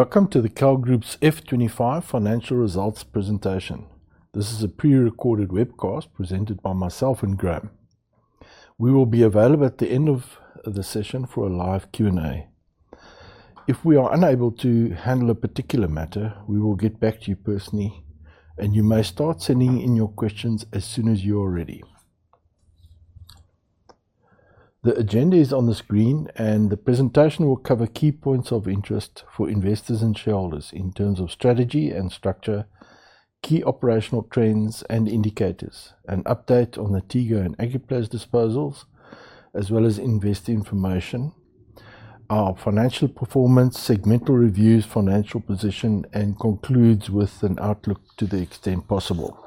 Welcome to the KAL Group's F2025 financial results presentation. This is a pre-recorded webcast presented by myself and Graeme. We will be available at the end of the session for a live Q&A. If we are unable to handle a particular matter, we will get back to you personally, and you may start sending in your questions as soon as you are ready. The agenda is on the screen, and the presentation will cover key points of interest for investors and shareholders in terms of strategy and structure, key operational trends and indicators, an update on the TAR and Agriplas disposals, as well as investor information, our financial performance, segmental reviews, financial position, and concludes with an outlook to the extent possible.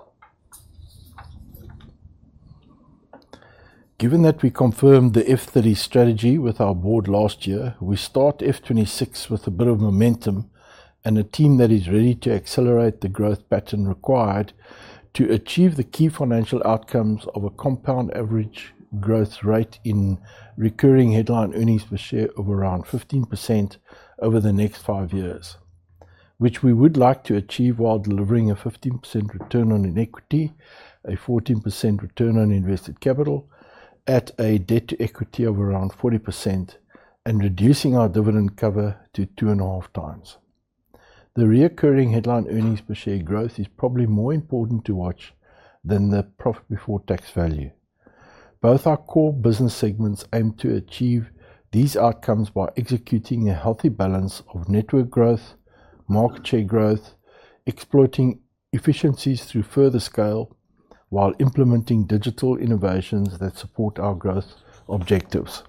Given that we confirmed the F2030 strategy with our Board last year, we start F2026 with a bit of momentum and a team that is ready to accelerate the growth pattern required to achieve the key financial outcomes of a compound average growth rate in recurring headline earnings per share of around 15% over the next five years, which we would like to achieve while delivering a 15% return on equity, a 14% return on invested capital, at a debt to equity of around 40%, and reducing our dividend cover to 2.5x. The recurring headline earnings per share growth is probably more important to watch than the profit before tax value. Both our core business segments aim to achieve these outcomes by executing a healthy balance of network growth, market share growth, exploiting efficiencies through further scale, while implementing digital innovations that support our growth objectives.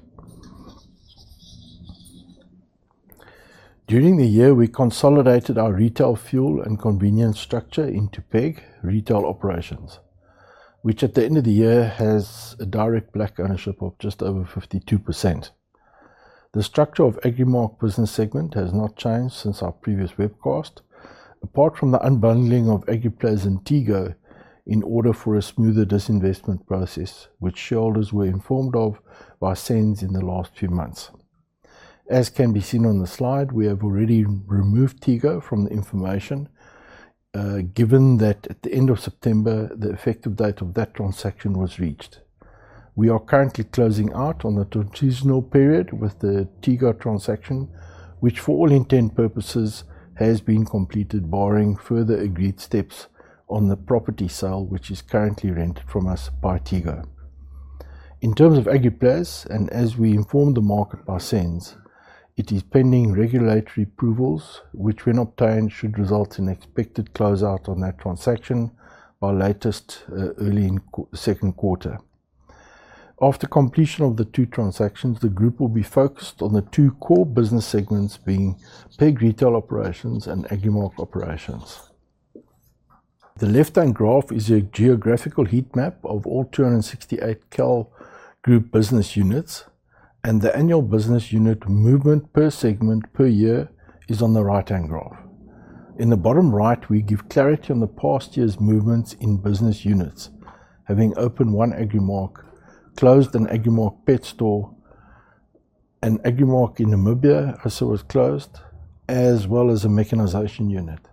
During the year, we consolidated our retail fuel and convenience structure into PEG retail operations, which at the end of the year has a direct black ownership of just over 52%. The structure of Agrimark business segment has not changed since our previous webcast, apart from the unbundling of Agriplas and TAR in order for a smoother disinvestment process, which shareholders were informed of by SENS in the last few months. As can be seen on the slide, we have already removed TAR from the information, given that at the end of September, the effective date of that transaction was reached. We are currently closing out on the transitional period with the TAR transaction, which for all intent purposes has been completed, barring further agreed steps on the property sale which is currently rented from us by TAR. In terms of Agriplas, and as we informed the market by SENS, it is pending regulatory approvals, which when obtained should result in expected closeout on that transaction by latest early second quarter. After completion of the two transactions, the group will be focused on the two core business segments being PEG retail operations and Agrimark operations. The left-hand graph is a geographical heat map of all 268 KAL Group business units, and the annual business unit movement per segment per year is on the right-hand graph. In the bottom right, we give clarity on the past year's movements in business units, having opened one Agrimark, closed an Agrimark pet store, an Agrimark in Namibia also was closed, as well as a mechanization unit,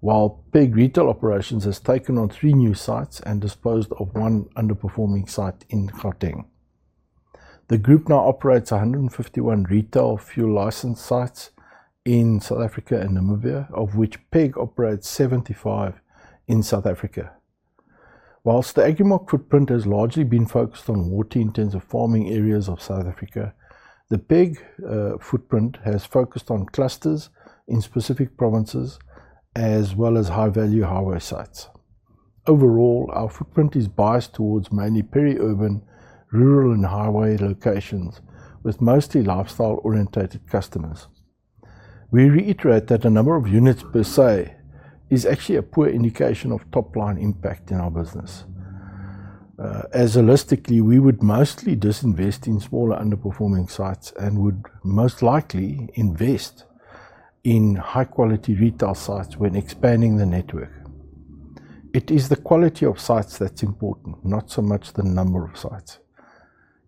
while PEG retail operations has taken on three new sites and disposed of one underperforming site in Kroonsstad. The group now operates 151 retail fuel license sites in South Africa and Namibia, of which PEG operates 75 in South Africa. Whilst the Agrimark footprint has largely been focused on water-intensive farming areas of South Africa, the PEG footprint has focused on clusters in specific provinces, as well as high-value highway sites. Overall, our footprint is biased towards mainly peri-urban, rural, and highway locations, with mostly lifestyle-orientated customers. We reiterate that a number of units per se is actually a poor indication of top-line impact in our business. As holistically, we would mostly disinvest in smaller underperforming sites and would most likely invest in high-quality retail sites when expanding the network. It is the quality of sites that's important, not so much the number of sites.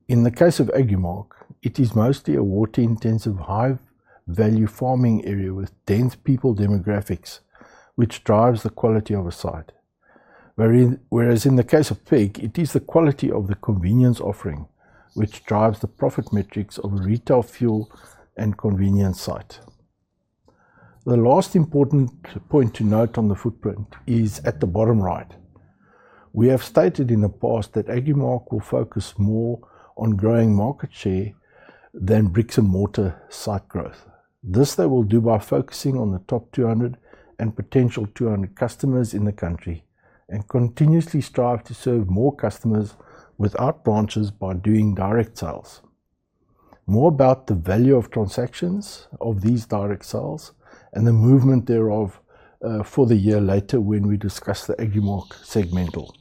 In the case of Agrimark, it is mostly a water-intensive high-value farming area with dense people demographics, which drives the quality of a site. Whereas in the case of PEG, it is the quality of the convenience offering, which drives the profit metrics of a retail fuel and convenience site. The last important point to note on the footprint is at the bottom right. We have stated in the past that Agrimark will focus more on growing market share than bricks-and-mortar site growth. This they will do by focusing on the top 200 and potential 200 customers in the country and continuously strive to serve more customers without branches by doing direct sales. More about the value of transactions of these direct sales and the movement thereof for the year later when we discuss the Agrimark segmental.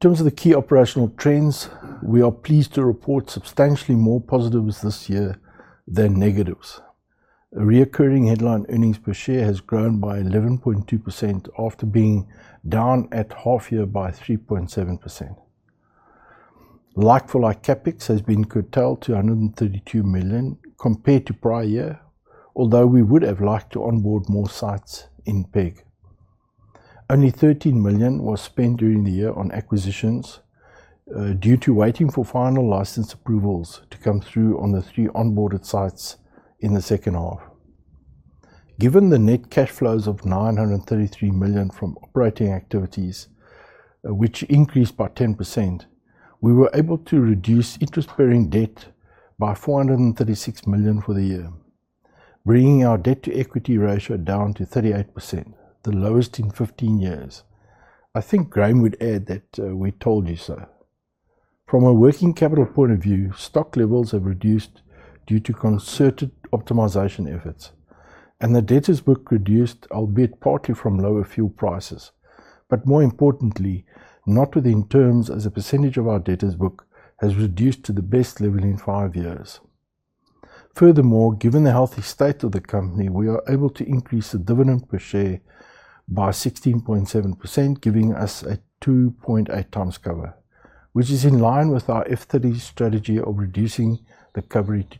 In terms of the key operational trends, we are pleased to report substantially more positives this year than negatives. Recurring headline earnings per share has grown by 11.2% after being down at half year by 3.7%. Like-for-like CapEx has been curtailed to 132 million compared to prior year, although we would have liked to onboard more sites in PEG. Only 13 million was spent during the year on acquisitions due to waiting for final license approvals to come through on the three onboarded sites in the second half. Given the net cash flows of 933 million from operating activities, which increased by 10%, we were able to reduce interest-bearing debt by 436 million for the year, bringing our debt to equity ratio down to 38%, the lowest in 15 years. I think Graeme would add that we told you so. From a working capital point of view, stock levels have reduced due to concerted optimization efforts, and the debtor's book reduced, albeit partly from lower fuel prices, but more importantly, not within terms as a percentage of our debtor's book has reduced to the best level in five years. Furthermore, given the healthy state of the company, we are able to increase the dividend per share by 16.7%, giving us a 2.8x cover, which is in line with our F2030 strategy of reducing the cover to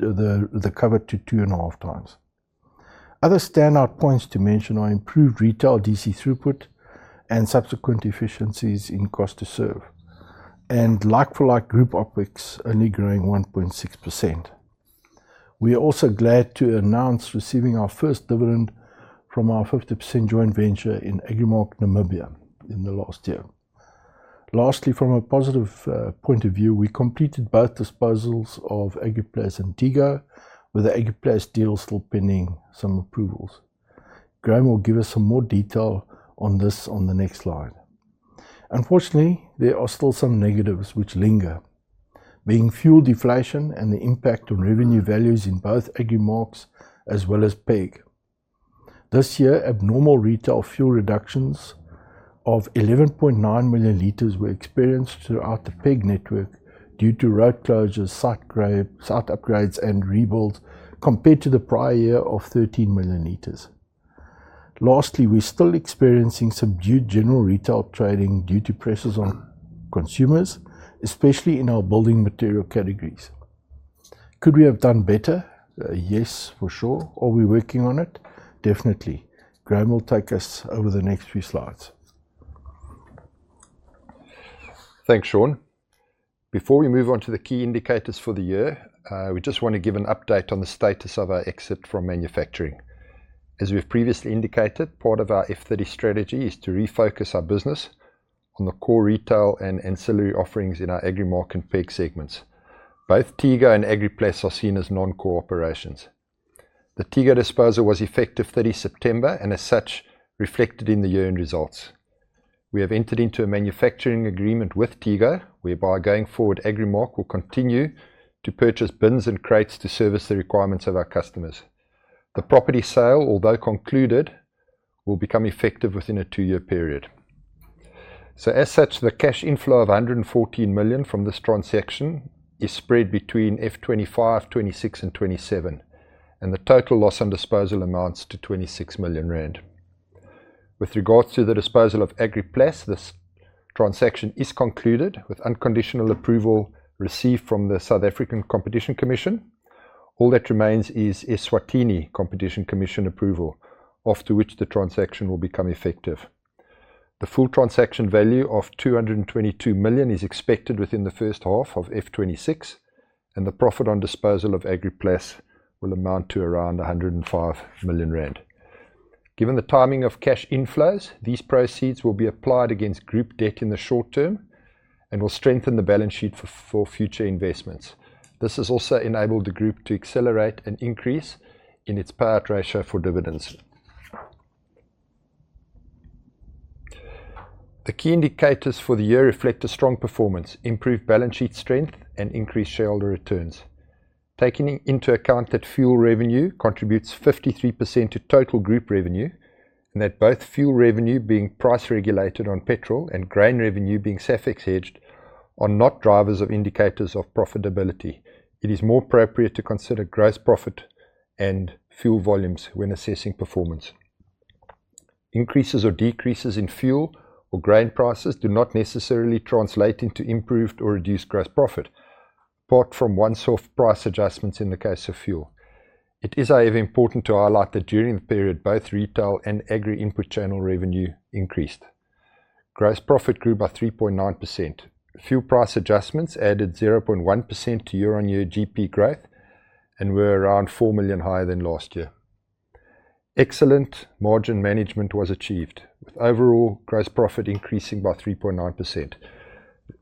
2.5x. Other standout points to mention are improved retail DC throughput and subsequent efficiencies in cost to serve, and like-for-like group upwards only growing 1.6%. We are also glad to announce receiving our first dividend from our 50% joint venture in Agrimark, Namibia, in the last year. Lastly, from a positive point of view, we completed both disposals of Agriplas and TAR, with the Agriplas deal still pending some approvals. Graeme will give us some more detail on this on the next slide. Unfortunately, there are still some negatives which linger, being fuel deflation and the impact on revenue values in both Agrimark as well as PEG. This year, abnormal retail fuel reductions of 11.9 million liters were experienced throughout the PEG network due to road closures, site upgrades, and rebuilds compared to the prior year of 13 million L. Lastly, we're still experiencing subdued general retail trading due to pressures on consumers, especially in our building material categories. Could we have done better? Yes, for sure. Are we working on it? Definitely. Graeme will take us over the next few slides. Thanks, Sean. Before we move on to the key indicators for the year, we just want to give an update on the status of our exit from manufacturing. As we've previously indicated, part of our F2030 strategy is to refocus our business on the core retail and ancillary offerings in our Agrimark and PEG segments. Both TAR and Agriplas are seen as non-core operations. The TAR disposal was effective 30 September and, as such, reflected in the year-end results. We have entered into a manufacturing agreement with TAR, whereby going forward, Agrimark will continue to purchase bins and crates to service the requirements of our customers. The property sale, although concluded, will become effective within a two-year period. As such, the cash inflow of 114 million from this transaction is spread between F2025, F2026, and F2027, and the total loss on disposal amounts to 26 million rand. With regards to the disposal of Agriplas, this transaction is concluded with unconditional approval received from the South African Competition Commission. All that remains is Eswatini Competition Commission approval, after which the transaction will become effective. The full transaction value of 222 million is expected within the first half of F2026, and the profit on disposal of Agriplas will amount to around 105 million rand. Given the timing of cash inflows, these proceeds will be applied against group debt in the short term and will strengthen the balance sheet for future investments. This has also enabled the group to accelerate and increase in its payout ratio for dividends. The key indicators for the year reflect a strong performance, improved balance sheet strength, and increased shareholder returns. Taking into account that fuel revenue contributes 53% to total group revenue and that both fuel revenue, being price regulated on petrol, and grain revenue, being SAFEX hedged, are not drivers or indicators of profitability, it is more appropriate to consider gross profit and fuel volumes when assessing performance. Increases or decreases in fuel or grain prices do not necessarily translate into improved or reduced gross profit, apart from one soft price adjustment in the case of fuel. It is, however, important to highlight that during the period, both retail and agri input channel revenue increased. Gross profit grew by 3.9%. Fuel price adjustments added 0.1% to year-on-year GP growth and were around 4 million higher than last year. Excellent margin management was achieved, with overall gross profit increasing by 3.9%.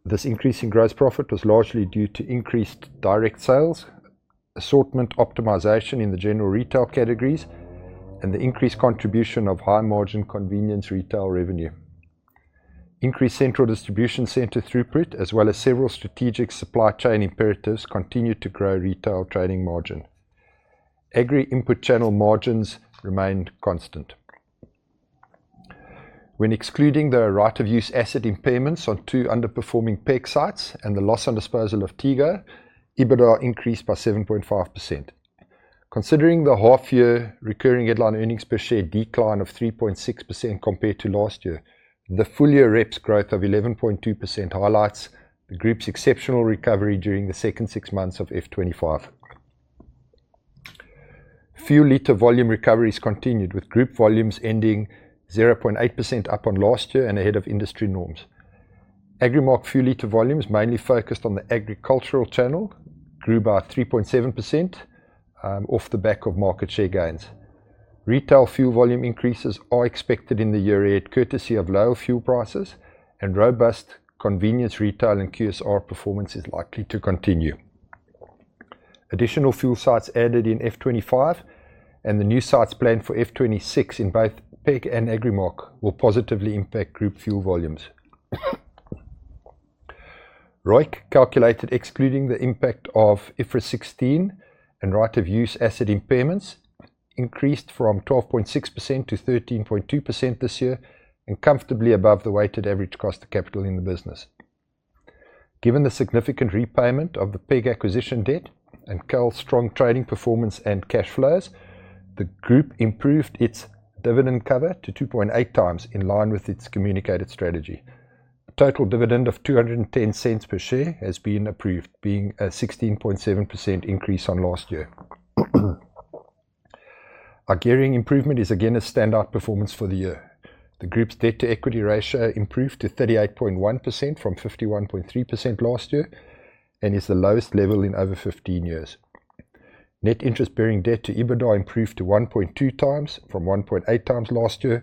This increase in gross profit was largely due to increased direct sales, assortment optimization in the general retail categories, and the increased contribution of high-margin convenience retail revenue. Increased central distribution center throughput, as well as several strategic supply chain imperatives, continued to grow retail trading margin. Agri input channel margins remained constant. When excluding the right-of-use asset impairments on two underperforming PEG sites and the loss on disposal of TAR, EBITDA increased by 7.5%. Considering the half-year recurring headline earnings per share decline of 3.6% compared to last year, the full-year reps growth of 11.2% highlights the group's exceptional recovery during the second six months of F2025. Fuel liter volume recoveries continued, with group volumes ending 0.8% up on last year and ahead of industry norms. Agrimark fuel liter volumes mainly focused on the agricultural channel grew by 3.7% off the back of market share gains. Retail fuel volume increases are expected in the year ahead courtesy of lower fuel prices and robust convenience retail and QSR performance is likely to continue. Additional fuel sites added in F2025 and the new sites planned for F2026 in both PEG and Agrimark will positively impact group fuel volumes. ROIC calculated excluding the impact of IFRS 16 and right-of-use asset impairments increased from 12.6% to 13.2% this year and comfortably above the weighted average cost of capital in the business. Given the significant repayment of the PEG acquisition debt and KAL's strong trading performance and cash flows, the group improved its dividend cover to 2.8x, in line with its communicated strategy. A total dividend of 2.10 per share has been approved, being a 16.7% increase on last year. Agrimark improvement is again a standout performance for the year. The group's debt to equity ratio improved to 38.1% from 51.3% last year and is the lowest level in over 15 years. Net interest-bearing debt to EBITDA improved to 1.2x from 1.8x last year,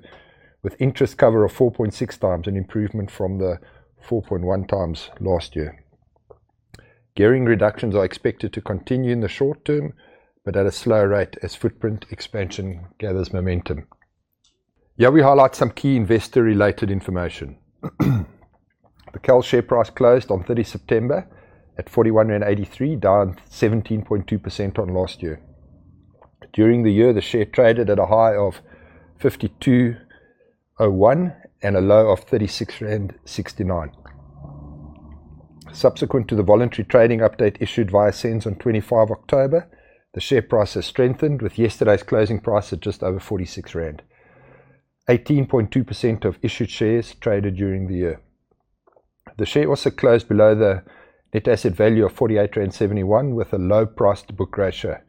with interest cover of 4.6x, an improvement from the 4.1x last year. Debt reductions are expected to continue in the short term but at a slower rate as footprint expansion gathers momentum. Yeah, we highlight some key investor-related information. The KAL share price closed on 30 September at 41.83, down 17.2% on last year. During the year, the share traded at a high of 52.01 and a low of 36.69. Subsequent to the voluntary trading update issued via SENS on 25 October, the share price has strengthened, with yesterday's closing price at just over 46 rand. 18.2% of issued shares traded during the year. The share also closed below the net asset value of 48.71, with a low price-to-book ratio.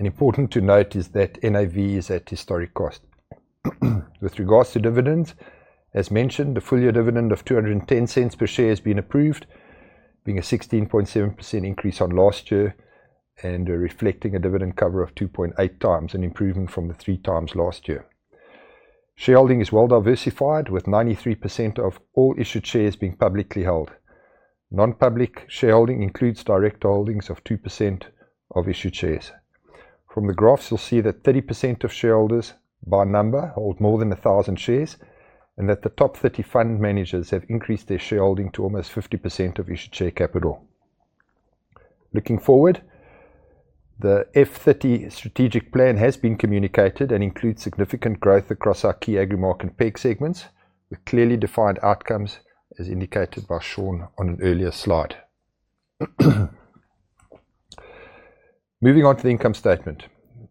Important to note is that NAV is at historic cost. With regards to dividends, as mentioned, the full-year dividend of 2.10 per share has been approved, being a 16.7% increase on last year and reflecting a dividend cover of 2.8x, an improvement from the 3x last year. Shareholding is well diversified, with 93% of all issued shares being publicly held. Non-public shareholding includes direct holdings of 2% of issued shares. From the graphs, you'll see that 30% of shareholders by number hold more than 1,000 shares and that the top 30 fund managers have increased their shareholding to almost 50% of issued share capital. Looking forward, the F2030 strategic plan has been communicated and includes significant growth across our key Agrimark and PEG segments, with clearly defined outcomes as indicated by Sean on an earlier slide. Moving on to the income statement.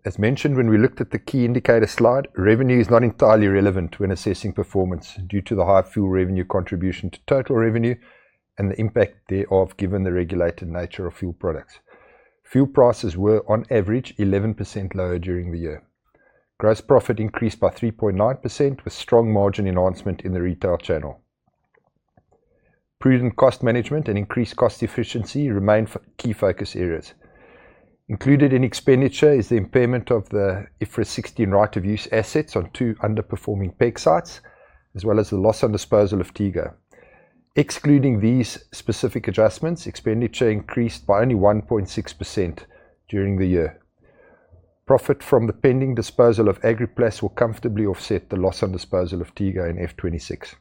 As mentioned, when we looked at the key indicator slide, revenue is not entirely relevant when assessing performance due to the high fuel revenue contribution to total revenue and the impact thereof, given the regulated nature of fuel products. Fuel prices were, on average, 11% lower during the year. Gross profit increased by 3.9% with strong margin enhancement in the retail channel. Prudent cost management and increased cost efficiency remain key focus areas. Included in expenditure is the impairment of the IFRS 16 right-of-use assets on two underperforming PEG sites, as well as the loss on disposal of TAR. Excluding these specific adjustments, expenditure increased by only 1.6% during the year. Profit from the pending disposal of Agriplas will comfortably offset the loss on disposal of TAR in F2026.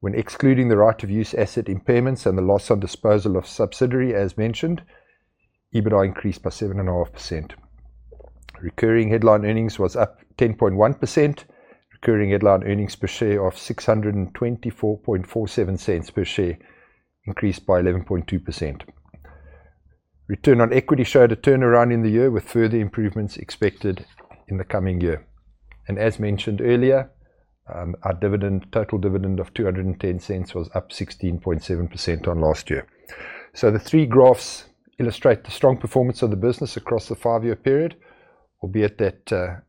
When excluding the right-of-use asset impairments and the loss on disposal of subsidiary, as mentioned, EBITDA increased by 7.5%. Recurring headline earnings was up 10.1%. Recurring headline earnings per share of 6.2447 per share increased by 11.2%. Return on equity showed a turnaround in the year, with further improvements expected in the coming year. As mentioned earlier, our total dividend of 2.10 was up 16.7% on last year. The three graphs illustrate the strong performance of the business across the five-year period, albeit that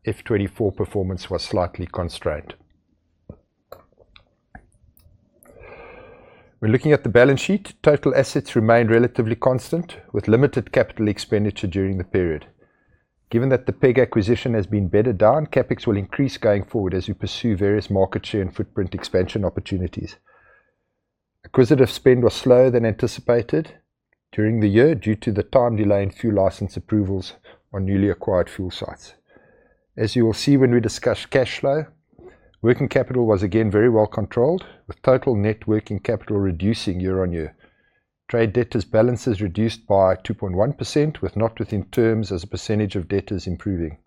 F2024 performance was slightly constrained. We are looking at the balance sheet. Total assets remained relatively constant, with limited capital expenditure during the period. Given that the PEG acquisition has been bettered down, CapEx will increase going forward as we pursue various market share and footprint expansion opportunities. Acquisitive spend was slower than anticipated during the year due to the time delay in fuel license approvals on newly acquired fuel sites. As you will see when we discuss cash flow, working capital was again very well controlled, with total net working capital reducing year-on-year. Trade debtors' balances reduced by 2.1%, with not within terms as a percentage of debtors improving.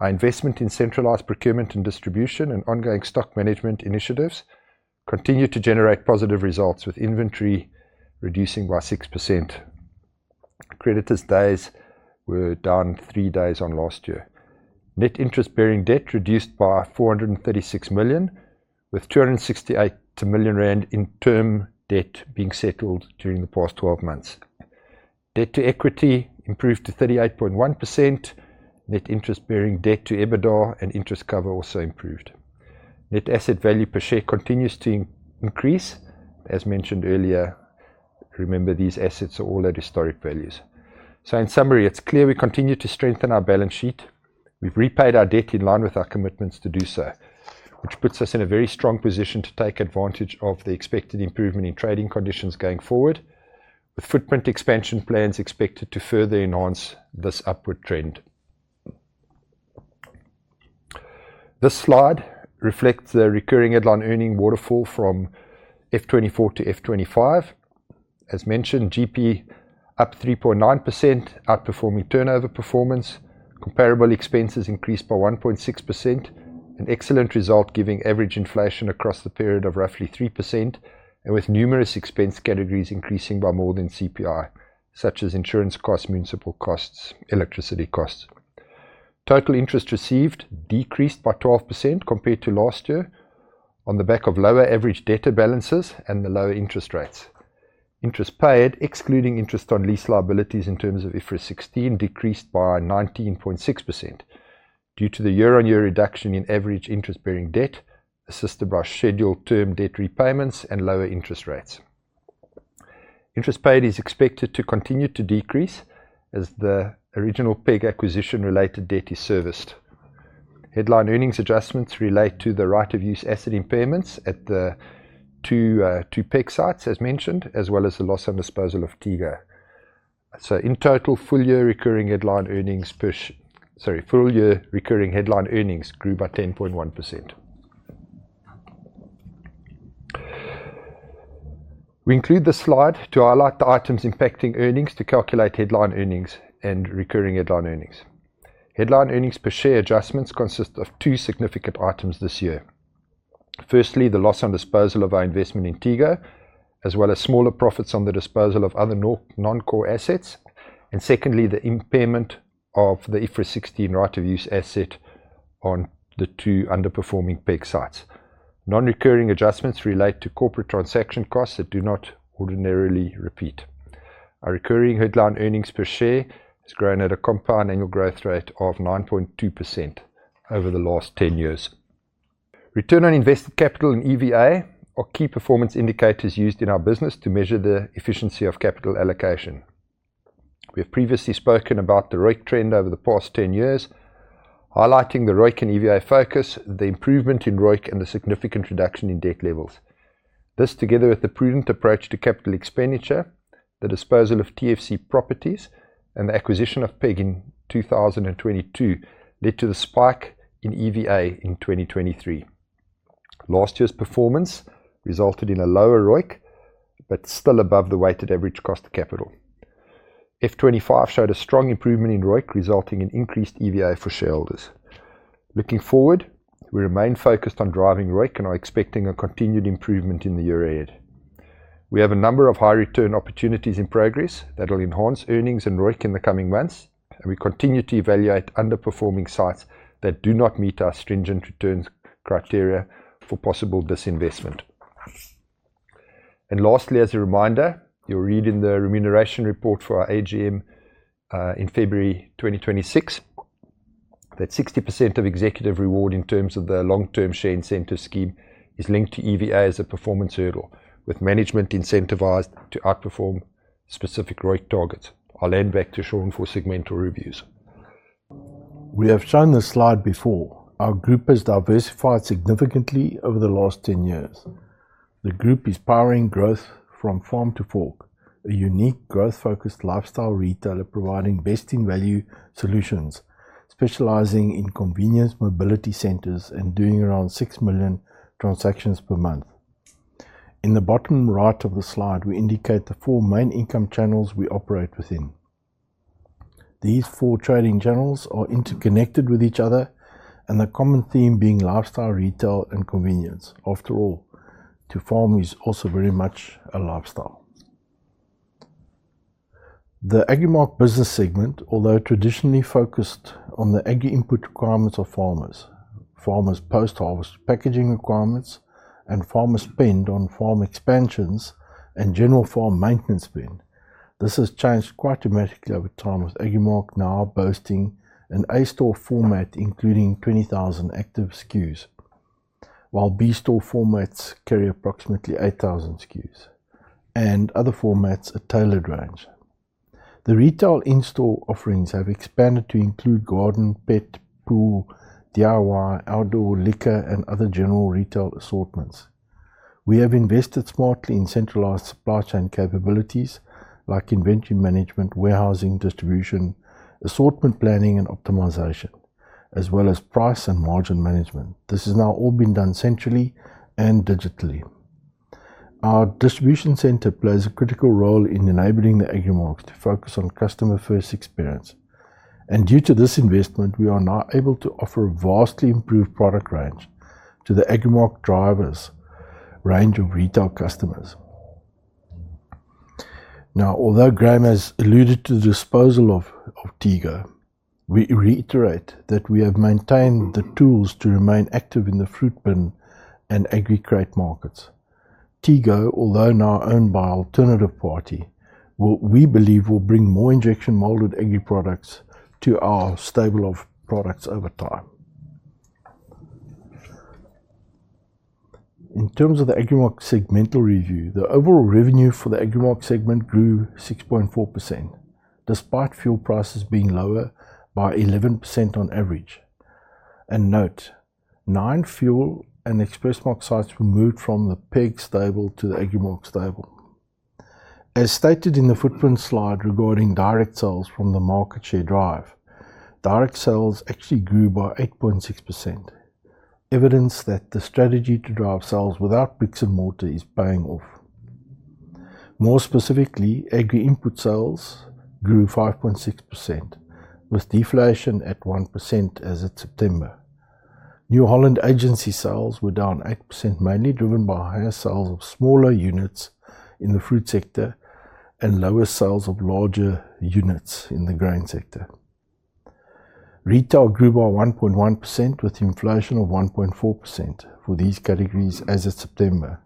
Our investment in centralized procurement and distribution and ongoing stock management initiatives continued to generate positive results, with inventory reducing by 6%. Creditors' days were down three days on last year. Net interest-bearing debt reduced by 436 million, with 268 million rand in term debt being settled during the past 12 months. Debt to equity improved to 38.1%. Net interest-bearing debt to EBITDA and interest cover also improved. Net asset value per share continues to increase. As mentioned earlier, remember these assets are all at historic values. In summary, it's clear we continue to strengthen our balance sheet. We've repaid our debt in line with our commitments to do so, which puts us in a very strong position to take advantage of the expected improvement in trading conditions going forward, with footprint expansion plans expected to further enhance this upward trend. This slide reflects the recurring headline earning waterfall from F2024 to F2025. As mentioned, GP up 3.9%, outperforming turnover performance. Comparable expenses increased by 1.6%, an excellent result given average inflation across the period of roughly 3% and with numerous expense categories increasing by more than CPI, such as insurance costs, municipal costs, electricity costs. Total interest received decreased by 12% compared to last year on the back of lower average debtor balances and the lower interest rates. Interest paid, excluding interest on lease liabilities in terms of IFRS 16, decreased by 19.6% due to the year-on-year reduction in average interest-bearing debt, assisted by scheduled term debt repayments and lower interest rates. Interest paid is expected to continue to decrease as the original PEG acquisition-related debt is serviced. Headline earnings adjustments relate to the right-of-use asset impairments at the two PEG sites, as mentioned, as well as the loss on disposal of TAR. In total, full-year recurring headline earnings grew by 10.1%. We include this slide to highlight the items impacting earnings to calculate headline earnings and recurring headline earnings. Headline earnings per share adjustments consist of two significant items this year. Firstly, the loss on disposal of our investment in TAR, as well as smaller profits on the disposal of other non-core assets. Secondly, the impairment of the IFRS 16 right-of-use asset on the two underperforming PEG sites. Non-recurring adjustments relate to corporate transaction costs that do not ordinarily repeat. Our recurring headline earnings per share has grown at a compound annual growth rate of 9.2% over the last 10 years. Return on invested capital and EVA are key performance indicators used in our business to measure the efficiency of capital allocation. We have previously spoken about the ROIC trend over the past 10 years, highlighting the ROIC and EVA focus, the improvement in ROIC, and the significant reduction in debt levels. This, together with the prudent approach to capital expenditure, the disposal of TFC properties, and the acquisition of PEG in 2022, led to the spike in EVA in 2023. Last year's performance resulted in a lower ROIC but still above the weighted average cost of capital. F2025 showed a strong improvement in ROIC, resulting in increased EVA for shareholders. Looking forward, we remain focused on driving ROIC and are expecting a continued improvement in the year ahead. We have a number of high-return opportunities in progress that will enhance earnings and ROIC in the coming months, and we continue to evaluate underperforming sites that do not meet our stringent return criteria for possible disinvestment. Lastly, as a reminder, you'll read in the remuneration report for our AGM in February 2026 that 60% of executive reward in terms of the long-term share incentive scheme is linked to EVA as a performance hurdle, with management incentivized to outperform specific Roy Twite targets. I'll hand back to Sean for segmental reviews. We have shown this slide before. Our group has diversified significantly over the last 10 years. The group is powering growth from farm to fork, a unique growth-focused lifestyle retailer providing best-in-value solutions, specializing in convenience mobility centers and doing around 6 million transactions per month. In the bottom right of the slide, we indicate the four main income channels we operate within. These four trading channels are interconnected with each other, and the common theme being lifestyle retail and convenience. After all, to farm is also very much a lifestyle. The Agrimark business segment, although traditionally focused on the agri input requirements of farmers, farmers' post-harvest packaging requirements, and farmers' spend on farm expansions and general farm maintenance spend, this has changed quite dramatically over time, with Agrimark now boasting an A-store format including 20,000 active SKUs, while B-store formats carry approximately 8,000 SKUs, and other formats a tailored range. The retail in-store offerings have expanded to include garden, pet, pool, DIY, outdoor, liquor, and other general retail assortments. We have invested smartly in centralized supply chain capabilities like inventory management, warehousing, distribution, assortment planning, and optimization, as well as price and margin management. This has now all been done centrally and digitally. Our distribution center plays a critical role in enabling the Agrimarks to focus on customer-first experience. Due to this investment, we are now able to offer a vastly improved product range to the Agrimark drivers' range of retail customers. Although Graeme has alluded to the disposal of TAR, we reiterate that we have maintained the tools to remain active in the fruit bin and agri crate markets. TAR, although now owned by an alternative party, we believe will bring more injection molded agri products to our stable of products over time. In terms of the Agrimark segmental review, the overall revenue for the Agrimark segment grew 6.4%, despite fuel prices being lower by 11% on average. Note, nine fuel and express market sites were moved from the PEG stable to the Agrimark stable. As stated in the footprint slide regarding direct sales from the market share drive, direct sales actually grew by 8.6%, evidence that the strategy to drive sales without bricks and mortar is paying off. More specifically, agri input sales grew 5.6%, with deflation at 1% as of September. New Holland agency sales were down 8%, mainly driven by higher sales of smaller units in the fruit sector and lower sales of larger units in the grain sector. Retail grew by 1.1%, with inflation of 1.4% for these categories as of September.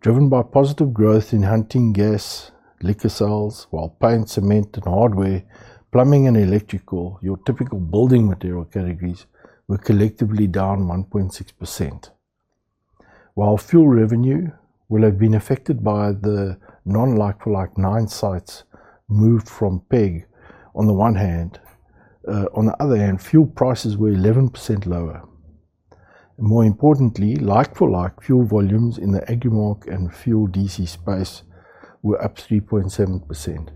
Driven by positive growth in hunting, gas, liquor sales, while paint, cement, and hardware, plumbing, and electrical, your typical building material categories were collectively down 1.6%. While fuel revenue will have been affected by the non-like-for-like nine sites moved from PEG on the one hand, on the other hand, fuel prices were 11% lower. More importantly, like-for-like fuel volumes in the Agrimark and fuel DC space were up 3.7%,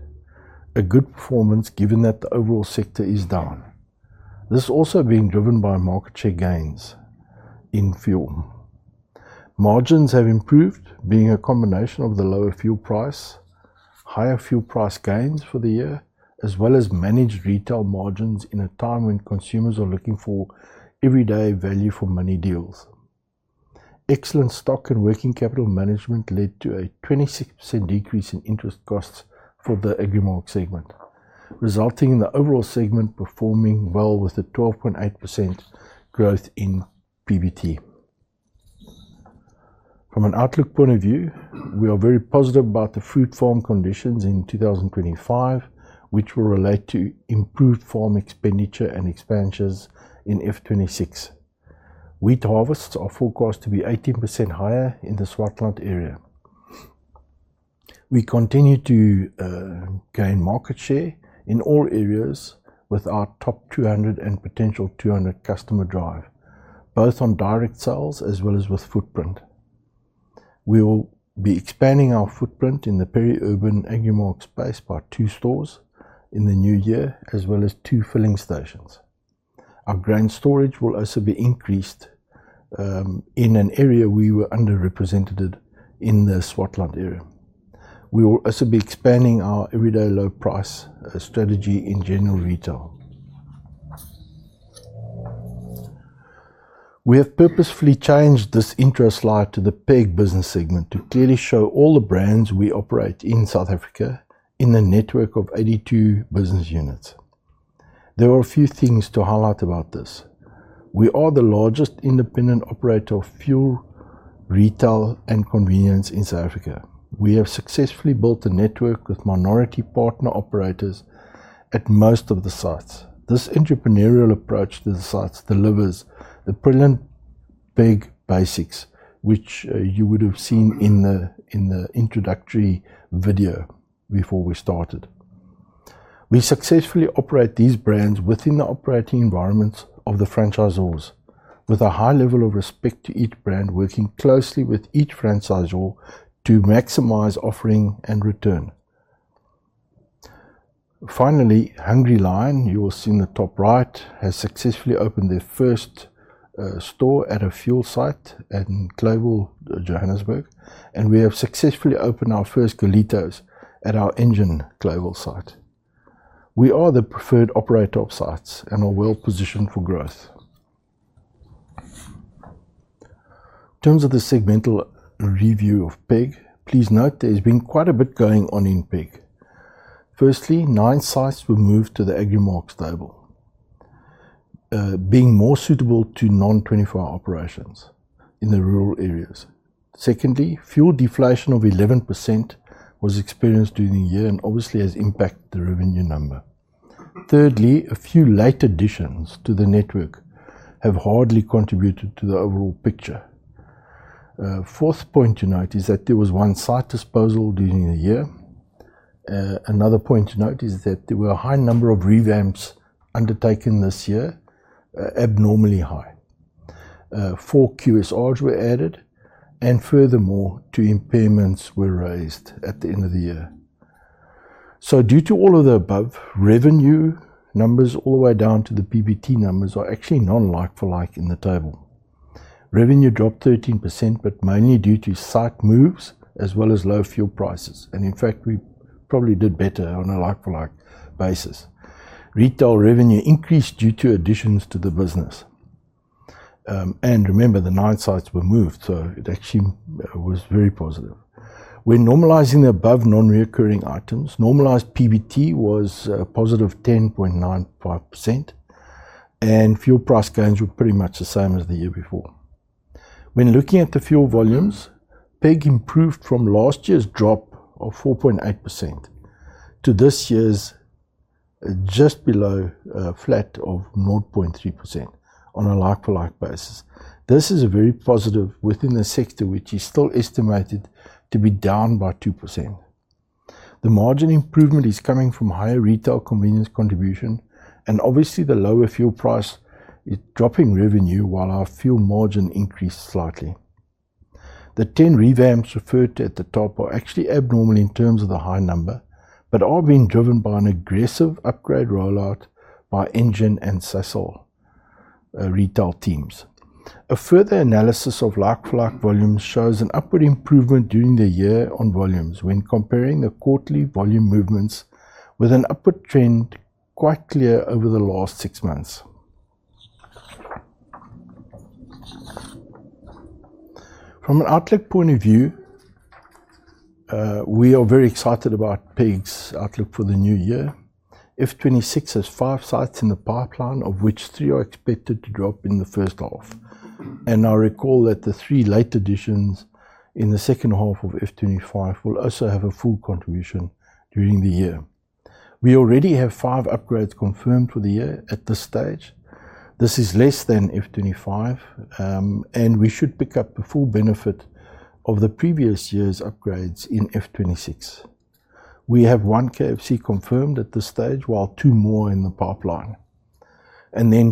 a good performance given that the overall sector is down. This has also been driven by market share gains in fuel. Margins have improved, being a combination of the lower fuel price, higher fuel price gains for the year, as well as managed retail margins in a time when consumers are looking for everyday value for money deals. Excellent stock and working capital management led to a 26% decrease in interest costs for the Agrimark segment, resulting in the overall segment performing well with a 12.8% growth in PBT. From an outlook point of view, we are very positive about the fruit farm conditions in 2025, which will relate to improved farm expenditure and expansions in F2026. Wheat harvests are forecast to be 18% higher in the Swartland area. We continue to gain market share in all areas with our top 200 and potential 200 customer drive, both on direct sales as well as with footprint. We will be expanding our footprint in the peri-urban Agrimark space by two stores in the new year, as well as two filling stations. Our grain storage will also be increased in an area we were underrepresented in the Swartland area. We will also be expanding our everyday low price strategy in general retail. We have purposefully changed this intro slide to the PEG business segment to clearly show all the brands we operate in South Africa in the network of 82 business units. There are a few things to highlight about this. We are the largest independent operator of fuel, retail, and convenience in South Africa. We have successfully built a network with minority partner operators at most of the sites. This entrepreneurial approach to the sites delivers the brilliant PEG basics, which you would have seen in the introductory video before we started. We successfully operate these brands within the operating environments of the franchisors, with a high level of respect to each brand, working closely with each franchisor to maximize offering and return. Finally, Hungry Lion, you will see in the top right, has successfully opened their first store at a fuel site in Global Johannesburg, and we have successfully opened our first Galitos at our Engine Global site. We are the preferred operator of sites and are well positioned for growth. In terms of the segmental review of PEG, please note there has been quite a bit going on in PEG. Firstly, nine sites were moved to the Agrimark stable, being more suitable to non-24 operations in the rural areas. Secondly, fuel deflation of 11% was experienced during the year and obviously has impacted the revenue number. Thirdly, a few late additions to the network have hardly contributed to the overall picture. Fourth point to note is that there was one site disposal during the year. Another point to note is that there were a high number of revamps undertaken this year, abnormally high. Four QSRs were added, and furthermore, two impairments were raised at the end of the year. Due to all of the above, revenue numbers all the way down to the PBT numbers are actually non-like-for-like in the table. Revenue dropped 13%, but mainly due to site moves as well as low fuel prices. In fact, we probably did better on a like-for-like basis. Retail revenue increased due to additions to the business. Remember, the nine sites were moved, so it actually was very positive. We are normalizing the above non-recurring items. Normalized PBT was a positive 10.95%, and fuel price gains were pretty much the same as the year before. When looking at the fuel volumes, PEG improved from last year's drop of 4.8% to this year's just below a flat of 0.3% on a like-for-like basis. This is very positive within the sector, which is still estimated to be down by 2%. The margin improvement is coming from higher retail convenience contribution, and obviously, the lower fuel price is dropping revenue while our fuel margin increased slightly. The 10 revamps referred to at the top are actually abnormal in terms of the high number, but are being driven by an aggressive upgrade rollout by Engen and Sasol retail teams. A further analysis of like-for-like volumes shows an upward improvement during the year on volumes when comparing the quarterly volume movements with an upward trend quite clear over the last six months. From an outlook point of view, we are very excited about PEG's outlook for the new year. F2026 has five sites in the pipeline, of which three are expected to drop in the first half. I recall that the three late additions in the second half of F2025 will also have a full contribution during the year. We already have five upgrades confirmed for the year at this stage. This is less than F2025, and we should pick up the full benefit of the previous year's upgrades in F2026. We have one KFC confirmed at this stage, while two more in the pipeline.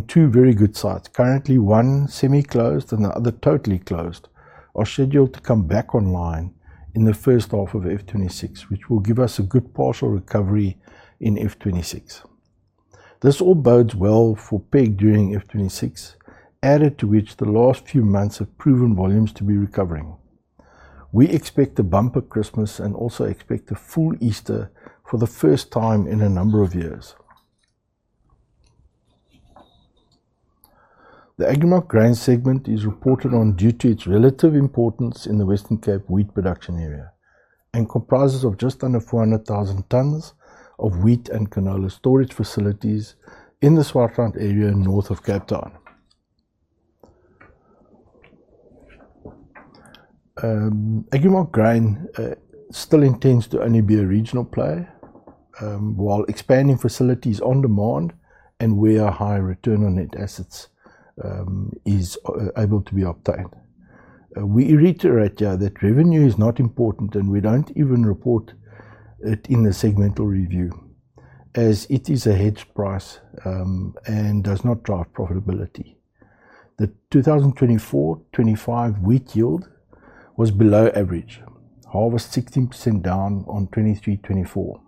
Two very good sites, currently one semi-closed and the other totally closed, are scheduled to come back online in the first half of F2026, which will give us a good partial recovery in F2026. This all bodes well for PEG during F2026, added to which the last few months have proven volumes to be recovering. We expect a bumper Christmas and also expect a full Easter for the first time in a number of years. The Agrimark grain segment is reported on due to its relative importance in the Western Cape wheat production area and comprises just under 400,000 tons of wheat and canola storage facilities in the Swartland area north of Cape Town. Agrimark grain still intends to only be a regional play while expanding facilities on demand and where a high return on net assets is able to be obtained. We reiterate here that revenue is not important, and we do not even report it in the segmental review, as it is a hedge price and does not drive profitability. The 2024-2025 wheat yield was below average, harvest 16% down on 2023-2024.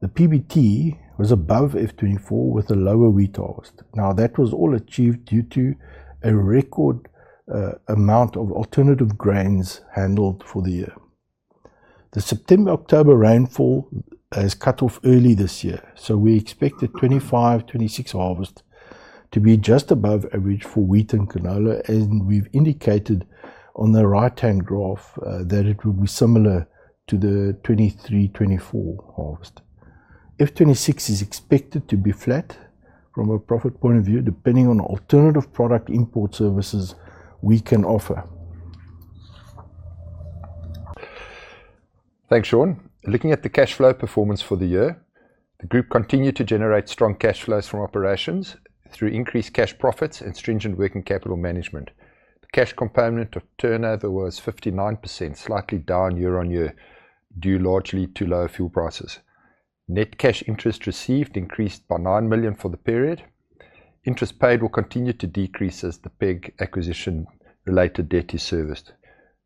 The PBT was above F2024 with a lower wheat harvest. That was all achieved due to a record amount of alternative grains handled for the year. The September-October rainfall has cut off early this year, so we expect the 2025-2026 harvest to be just above average for wheat and canola, as we have indicated on the right-hand graph that it will be similar to the 2023-2024 harvest. F2026 is expected to be flat from a profit point of view, depending on alternative product import services we can offer. Thanks, Sean. Looking at the cash flow performance for the year, the group continued to generate strong cash flows from operations through increased cash profits and stringent working capital management. The cash component of turnover, whereas 59%, slightly down year-on-year due largely to low fuel prices. Net cash interest received increased by 9 million for the period. Interest paid will continue to decrease as the PEG acquisition-related debt is serviced.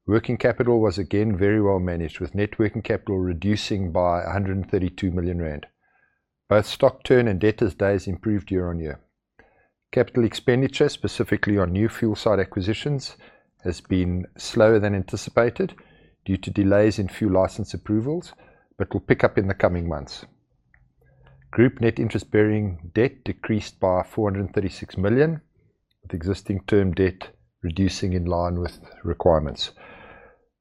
Working capital was again very well managed, with net working capital reducing by 132 million rand. Both stock turn and debtors' days improved year-on-year. Capital expenditure, specifically on new fuel site acquisitions, has been slower than anticipated due to delays in fuel license approvals, but will pick up in the coming months. Group net interest-bearing debt decreased by 436 million, with existing term debt reducing in line with requirements.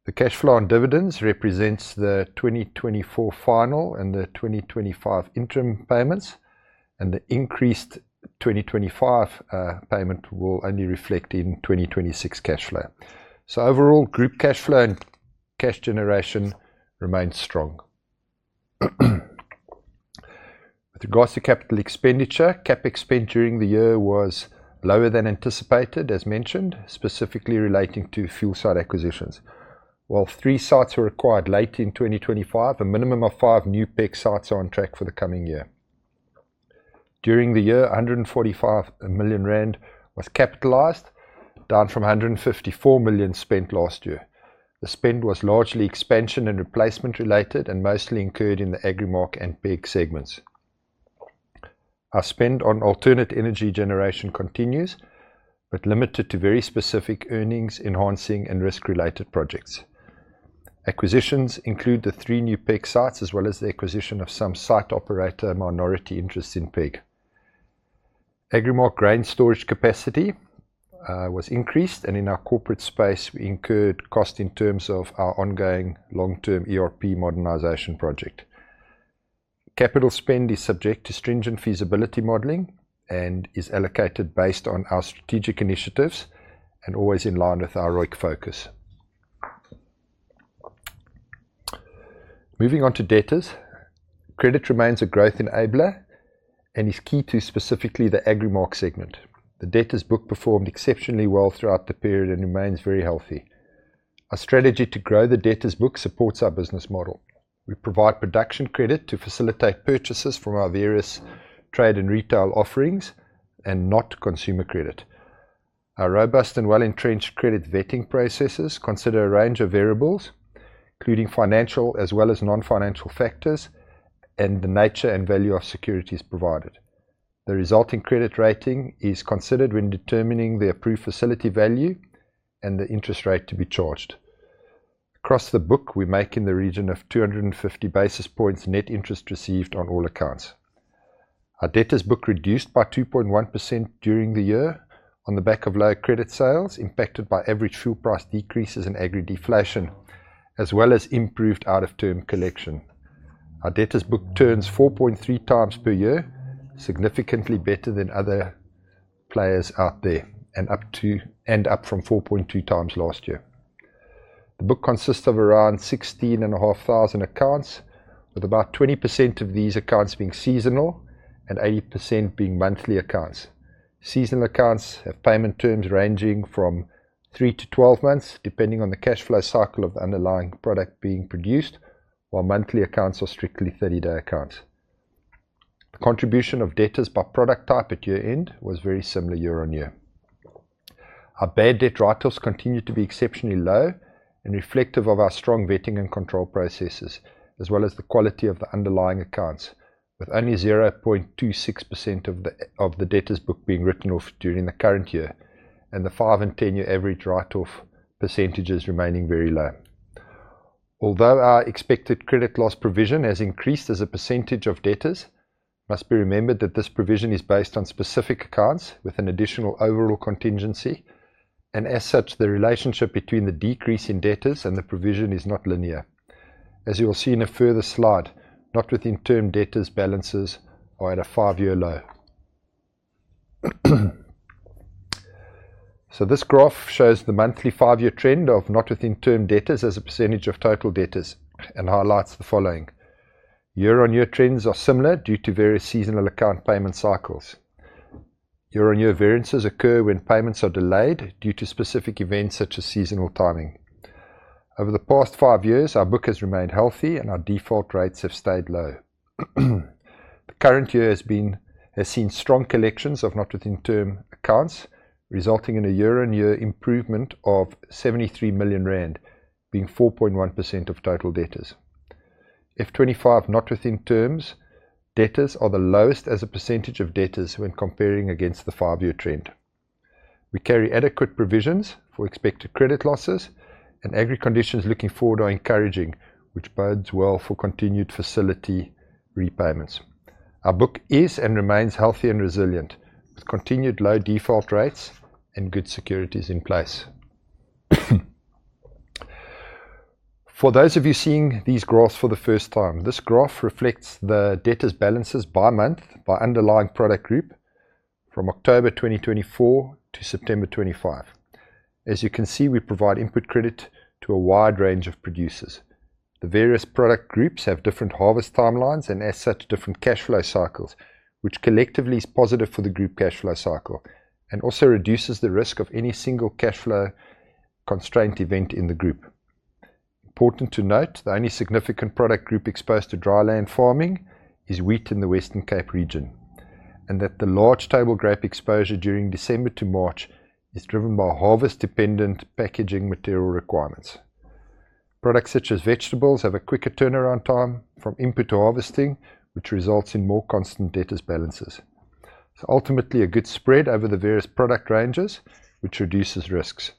The cash flow on dividends represents the 2024 final and the 2025 interim payments, and the increased 2025 payment will only reflect in 2026 cash flow. Overall, group cash flow and cash generation remained strong. With regards to capital expenditure, CapEx during the year was lower than anticipated, as mentioned, specifically relating to fuel site acquisitions. While three sites were acquired late in 2025, a minimum of five new PEG sites are on track for the coming year. During the year, 145 million rand was capitalized, down from 154 million spent last year. The spend was largely expansion and replacement related and mostly incurred in the Agrimark and PEG segments. Our spend on alternate energy generation continues, but limited to very specific earnings, enhancing, and risk-related projects. Acquisitions include the three new PEG sites as well as the acquisition of some site operator minority interest in PEG. Agrimark grain storage capacity was increased, and in our corporate space, we incurred cost in terms of our ongoing long-term ERP modernization project. Capital spend is subject to stringent feasibility modeling and is allocated based on our strategic initiatives and always in line with our ROIC focus. Moving on to debtors, credit remains a growth enabler and is key to specifically the Agrimark segment. The debtors' book performed exceptionally well throughout the period and remains very healthy. Our strategy to grow the debtors' book supports our business model. We provide production credit to facilitate purchases from our various trade and retail offerings and not consumer credit. Our robust and well-entrenched credit vetting processes consider a range of variables, including financial as well as non-financial factors and the nature and value of securities provided. The resulting credit rating is considered when determining the approved facility value and the interest rate to be charged. Across the book, we make in the region of 250 basis points net interest received on all accounts. Our debtors' book reduced by 2.1% during the year on the back of low credit sales impacted by average fuel price decreases and agri deflation, as well as improved out-of-term collection. Our debtors' book turns 4.3x per year, significantly better than other players out there, and up from 4.2 times last year. The book consists of around 16,500 accounts, with about 20% of these accounts being seasonal and 80% being monthly accounts. Seasonal accounts have payment terms ranging from 3 to 12 months, depending on the cash flow cycle of the underlying product being produced, while monthly accounts are strictly 30-day accounts. The contribution of debtors by product type at year end was very similar year-on-year. Our bad debt write-offs continue to be exceptionally low and reflective of our strong vetting and control processes, as well as the quality of the underlying accounts, with only 0.26% of the debtors' book being written off during the current year and the 5 and 10-year average write-off percentages remaining very low. Although our expected credit loss provision has increased as a percentage of debtors, it must be remembered that this provision is based on specific accounts with an additional overall contingency, and as such, the relationship between the decrease in debtors and the provision is not linear. As you will see in a further slide, not within term debtors' balances are at a five-year low. This graph shows the monthly five-year trend of not within term debtors as a percentage of total debtors and highlights the following. Year-on-year trends are similar due to various seasonal account payment cycles. Year-on-year variances occur when payments are delayed due to specific events such as seasonal timing. Over the past five years, our book has remained healthy and our default rates have stayed low. The current year has seen strong collections of not within term accounts, resulting in a year-on-year improvement of 73 million rand, being 4.1% of total debtors. F2025 not within terms debtors are the lowest as a percentage of debtors when comparing against the five-year trend. We carry adequate provisions for expected credit losses, and agri conditions looking forward are encouraging, which bodes well for continued facility repayments. Our book is and remains healthy and resilient, with continued low default rates and good securities in place. For those of you seeing these graphs for the first time, this graph reflects the debtors' balances by month by underlying product group from October 2024 to September 2025. As you can see, we provide input credit to a wide range of producers. The various product groups have different harvest timelines and, as such, different cash flow cycles, which collectively is positive for the group cash flow cycle and also reduces the risk of any single cash flow constraint event in the group. Important to note, the only significant product group exposed to dry land farming is wheat in the Western Cape region, and that the large table grape exposure during December to March is driven by harvest-dependent packaging material requirements. Products such as vegetables have a quicker turnaround time from input to harvesting, which results in more constant debtors' balances. It's ultimately a good spread over the various product ranges, which reduces risks.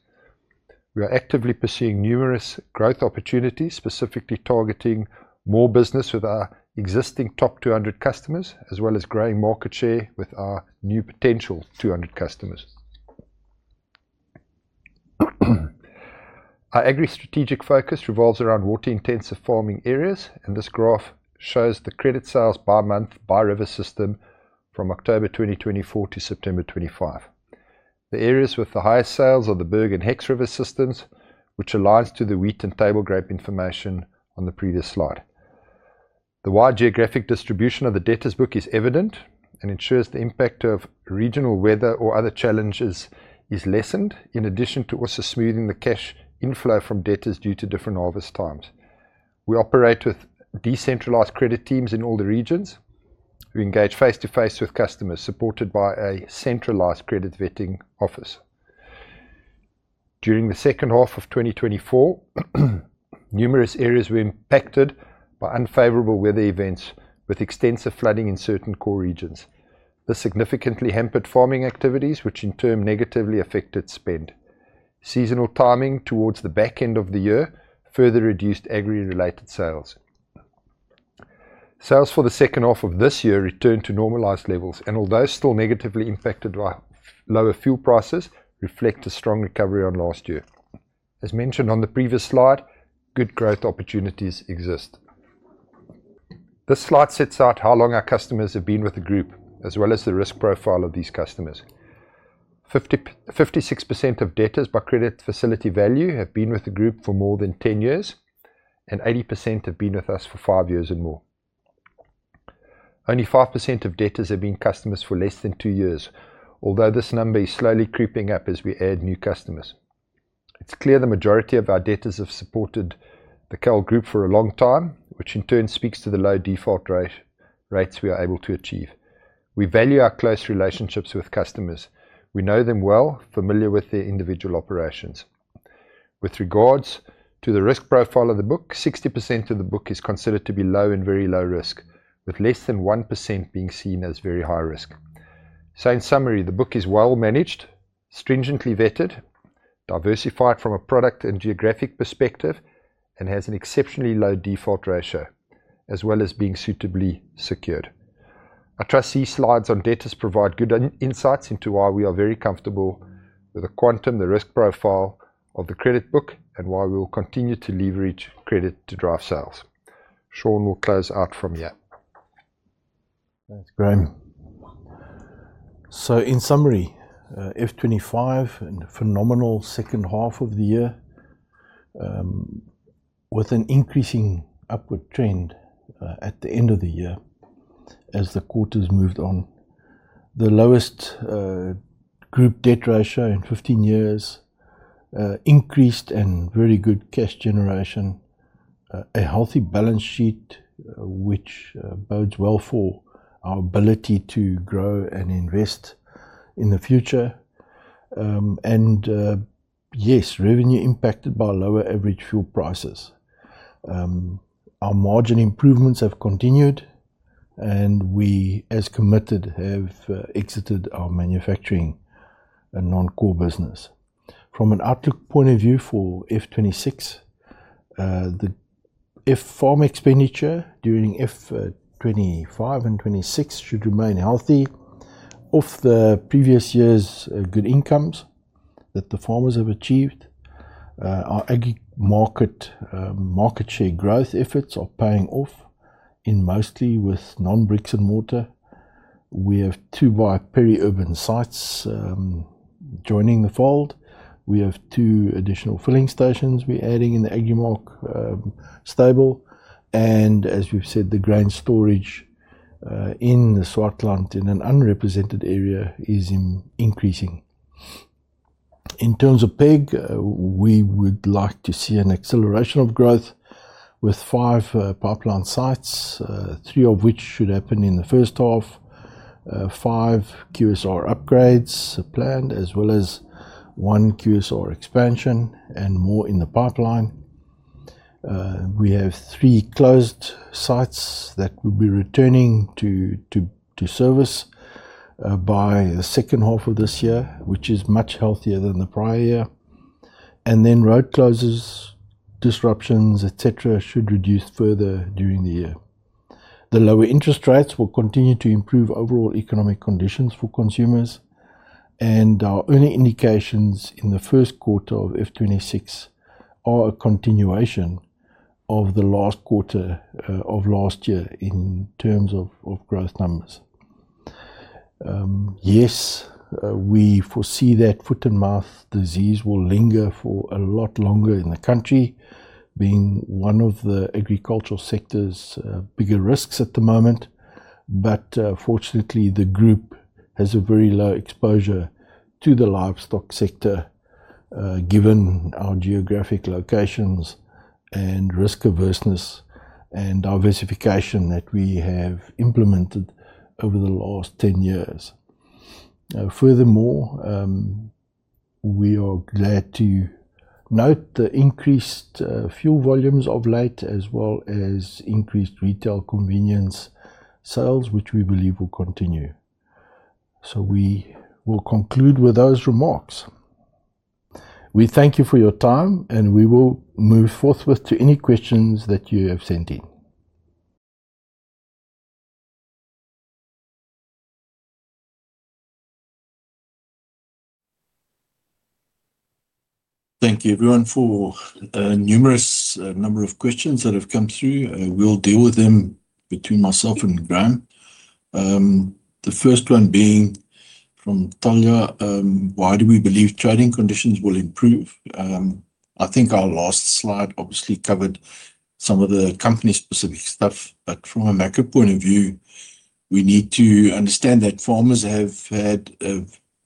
We are actively pursuing numerous growth opportunities, specifically targeting more business with our existing top 200 customers, as well as growing market share with our new potential 200 customers. Our agri strategic focus revolves around water-intensive farming areas, and this graph shows the credit sales by month by river system from October 2024 to September 2025. The areas with the highest sales are the Berg and Hex river systems, which aligns to the wheat and table grape information on the previous slide. The wide geographic distribution of the debtors' book is evident and ensures the impact of regional weather or other challenges is lessened, in addition to also smoothing the cash inflow from debtors due to different harvest times. We operate with decentralized credit teams in all the regions. We engage face-to-face with customers, supported by a centralized credit vetting office. During the second half of 2024, numerous areas were impacted by unfavorable weather events, with extensive flooding in certain core regions. This significantly hampered farming activities, which in turn negatively affected spend. Seasonal timing towards the back end of the year further reduced agri-related sales. Sales for the second half of this year returned to normalized levels, and although still negatively impacted by lower fuel prices, reflect a strong recovery on last year. As mentioned on the previous slide, good growth opportunities exist. This slide sets out how long our customers have been with the group, as well as the risk profile of these customers. 56% of debtors by credit facility value have been with the group for more than 10 years, and 80% have been with us for five years and more. Only 5% of debtors have been customers for less than two years, although this number is slowly creeping up as we add new customers. It's clear the majority of our debtors have supported the KAL Group for a long time, which in turn speaks to the low default rates we are able to achieve. We value our close relationships with customers. We know them well, familiar with their individual operations. With regards to the risk profile of the book, 60% of the book is considered to be low and very low risk, with less than 1% being seen as very high risk. In summary, the book is well managed, stringently vetted, diversified from a product and geographic perspective, and has an exceptionally low default ratio, as well as being suitably secured. I trust these slides on debtors provide good insights into why we are very comfortable with the quantum, the risk profile of the credit book, and why we will continue to leverage credit to drive sales. Sean will close out from here. Thanks, Graeme. In summary, F2025, a phenomenal second half of the year, with an increasing upward trend at the end of the year as the quarters moved on. The lowest group debt ratio in 15 years, increased and very good cash generation, a healthy balance sheet, which bodes well for our ability to grow and invest in the future. Yes, revenue impacted by lower average fuel prices. Our margin improvements have continued, and we, as committed, have exited our manufacturing and non-core business. From an outlook point of view for F2026, the farm expenditure during F2025 and F2026 should remain healthy, off the previous year's good incomes that the farmers have achieved. Our AgriMark market share growth efforts are paying off, mostly with non-brick and mortar. We have two bi-peri-urban sites joining the fold. We have two additional filling stations we are adding in the AgriMark stable. As we have said, the grain storage in the Swartland, in an unrepresented area, is increasing. In terms of PEG, we would like to see an acceleration of growth with five pipeline sites, three of which should happen in the first half, five QSR upgrades planned, as well as one QSR expansion and more in the pipeline. We have three closed sites that will be returning to service by the second half of this year, which is much healthier than the prior year. Road closures, disruptions, etc., should reduce further during the year. The lower interest rates will continue to improve overall economic conditions for consumers, and our only indications in the first quarter of F2026 are a continuation of the last quarter of last year in terms of growth numbers. Yes, we foresee that foot-and-mouth disease will linger for a lot longer in the country, being one of the agricultural sector's bigger risks at the moment. Fortunately, the group has a very low exposure to the livestock sector, given our geographic locations and risk averseness and diversification that we have implemented over the last 10 years. Furthermore, we are glad to note the increased fuel volumes of late, as well as increased retail convenience sales, which we believe will continue. We will conclude with those remarks. We thank you for your time, and we will move forth with any questions that you have sent in. Thank you, everyone, for a numerous number of questions that have come through. We'll deal with them between myself and Graeme. The first one being from Talia, "Why do we believe trading conditions will improve?" I think our last slide obviously covered some of the company-specific stuff, but from a macro point of view, we need to understand that farmers have had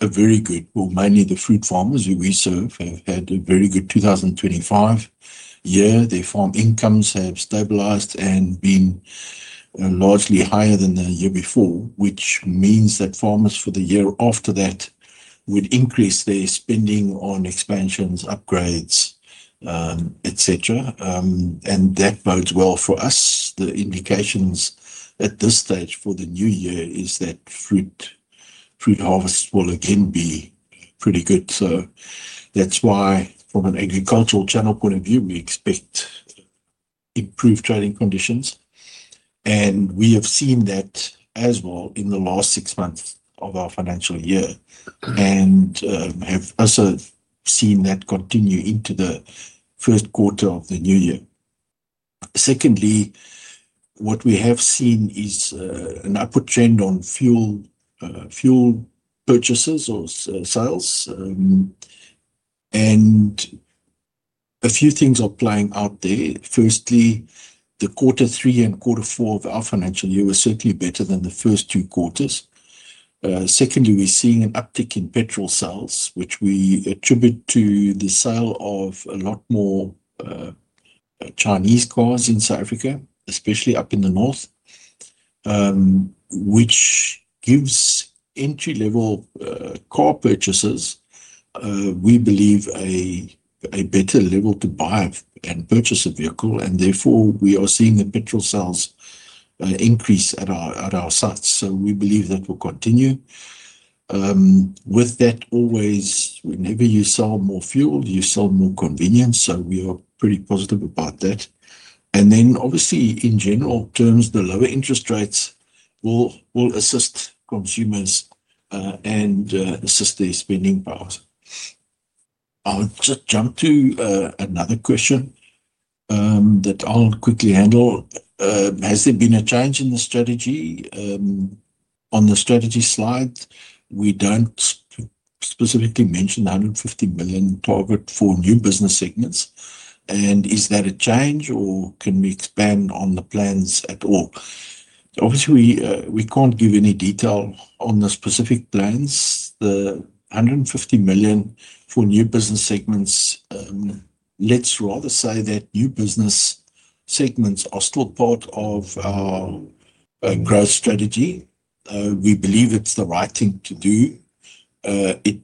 a very good, mainly the fruit farmers who we serve, have had a very good 2025 year. Their farm incomes have stabilized and been largely higher than the year before, which means that farmers for the year after that would increase their spending on expansions, upgrades, etc. That bodes well for us. The indications at this stage for the new year is that fruit harvests will again be pretty good. That is why, from an agricultural channel point of view, we expect improved trading conditions. We have seen that as well in the last six months of our financial year and have also seen that continue into the first quarter of the new year. Secondly, what we have seen is an upward trend on fuel purchases or sales. A few things are playing out there. Firstly, the quarter three and quarter four of our financial year were certainly better than the first two quarters. Secondly, we're seeing an uptick in petrol sales, which we attribute to the sale of a lot more Chinese cars in South Africa, especially up in the north, which gives entry-level car purchasers, we believe, a better level to buy and purchase a vehicle. Therefore, we are seeing the petrol sales increase at our sites. We believe that will continue. With that, always, whenever you sell more fuel, you sell more convenience. We are pretty positive about that. Obviously, in general terms, the lower interest rates will assist consumers and assist their spending powers. I'll just jump to another question that I'll quickly handle. Has there been a change in the strategy? On the strategy slide, we don't specifically mention the 150 million target for new business segments. Is that a change, or can we expand on the plans at all? Obviously, we can't give any detail on the specific plans. The 150 million for new business segments, let's rather say that new business segments are still part of our growth strategy. We believe it's the right thing to do. It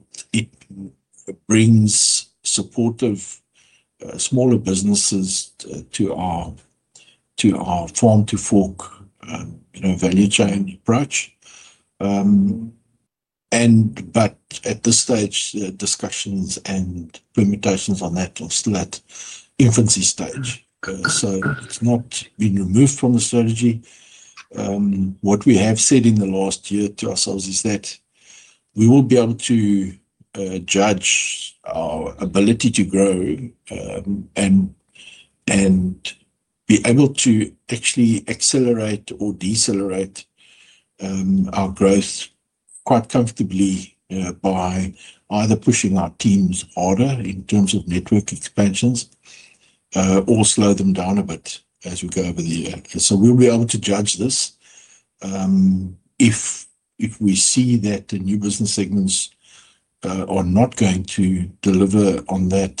brings supportive smaller businesses to our farm-to-fork value chain approach. At this stage, discussions and permutations on that are still at infancy stage. It's not been removed from the strategy. What we have said in the last year to ourselves is that we will be able to judge our ability to grow and be able to actually accelerate or decelerate our growth quite comfortably by either pushing our teams harder in terms of network expansions or slow them down a bit as we go over the year. We will be able to judge this. If we see that the new business segments are not going to deliver on that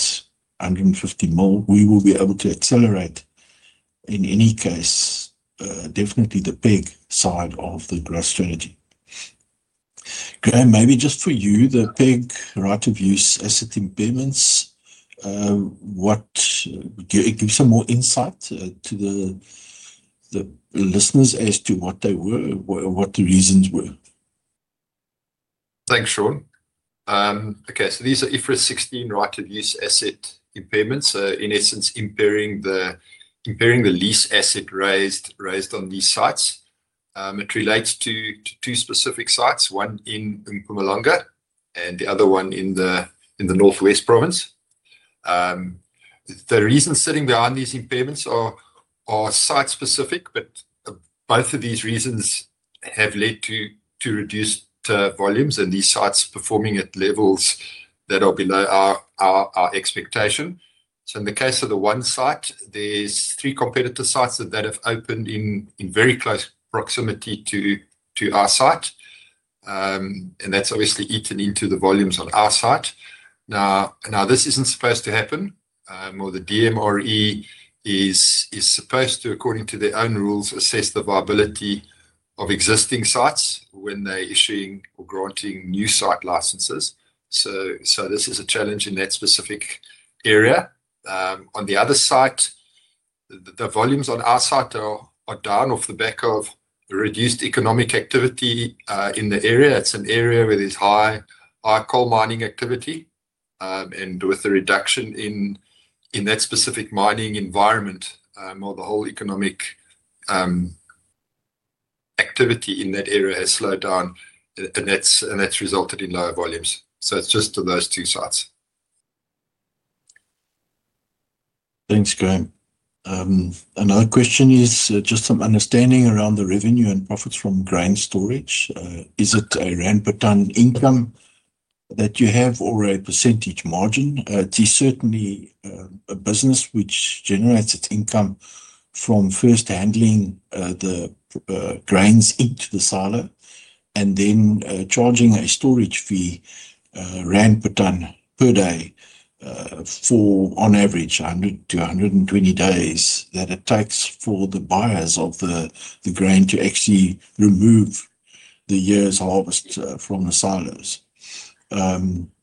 150 million, we will be able to accelerate, in any case, definitely the PEG side of the growth strategy. Graeme, maybe just for you, the PEG right of use asset impairments, what gives some more insight to the listeners as to what they were, what the reasons were? Thanks, Sean. Okay, these are IFRS 16 right of use asset impairments, in essence, impairing the lease asset raised on these sites. It relates to two specific sites, one in Mpumalanga and the other one in the North West Province. The reasons sitting behind these impairments are site-specific, but both of these reasons have led to reduced volumes and these sites performing at levels that are below our expectation. In the case of the one site, there are three competitor sites that have opened in very close proximity to our site. That has obviously eaten into the volumes on our site. This is not supposed to happen, or the DMRE is supposed to, according to their own rules, assess the viability of existing sites when they are issuing or granting new site licenses. This is a challenge in that specific area. On the other side, the volumes on our site are down off the back of reduced economic activity in the area. It is an area where there is high coal mining activity. With the reduction in that specific mining environment, the whole economic activity in that area has slowed down, and that has resulted in lower volumes. It is just to those two sites. Thanks, Graeme. Another question is just some understanding around the revenue and profits from grain storage. Is it a ramp-and-down income that you have or a percentage margin? It is certainly a business which generates its income from first handling the grains into the silo and then charging a storage fee ramp-and-down per day for, on average, 100-120 days that it takes for the buyers of the grain to actually remove the year's harvest from the silos.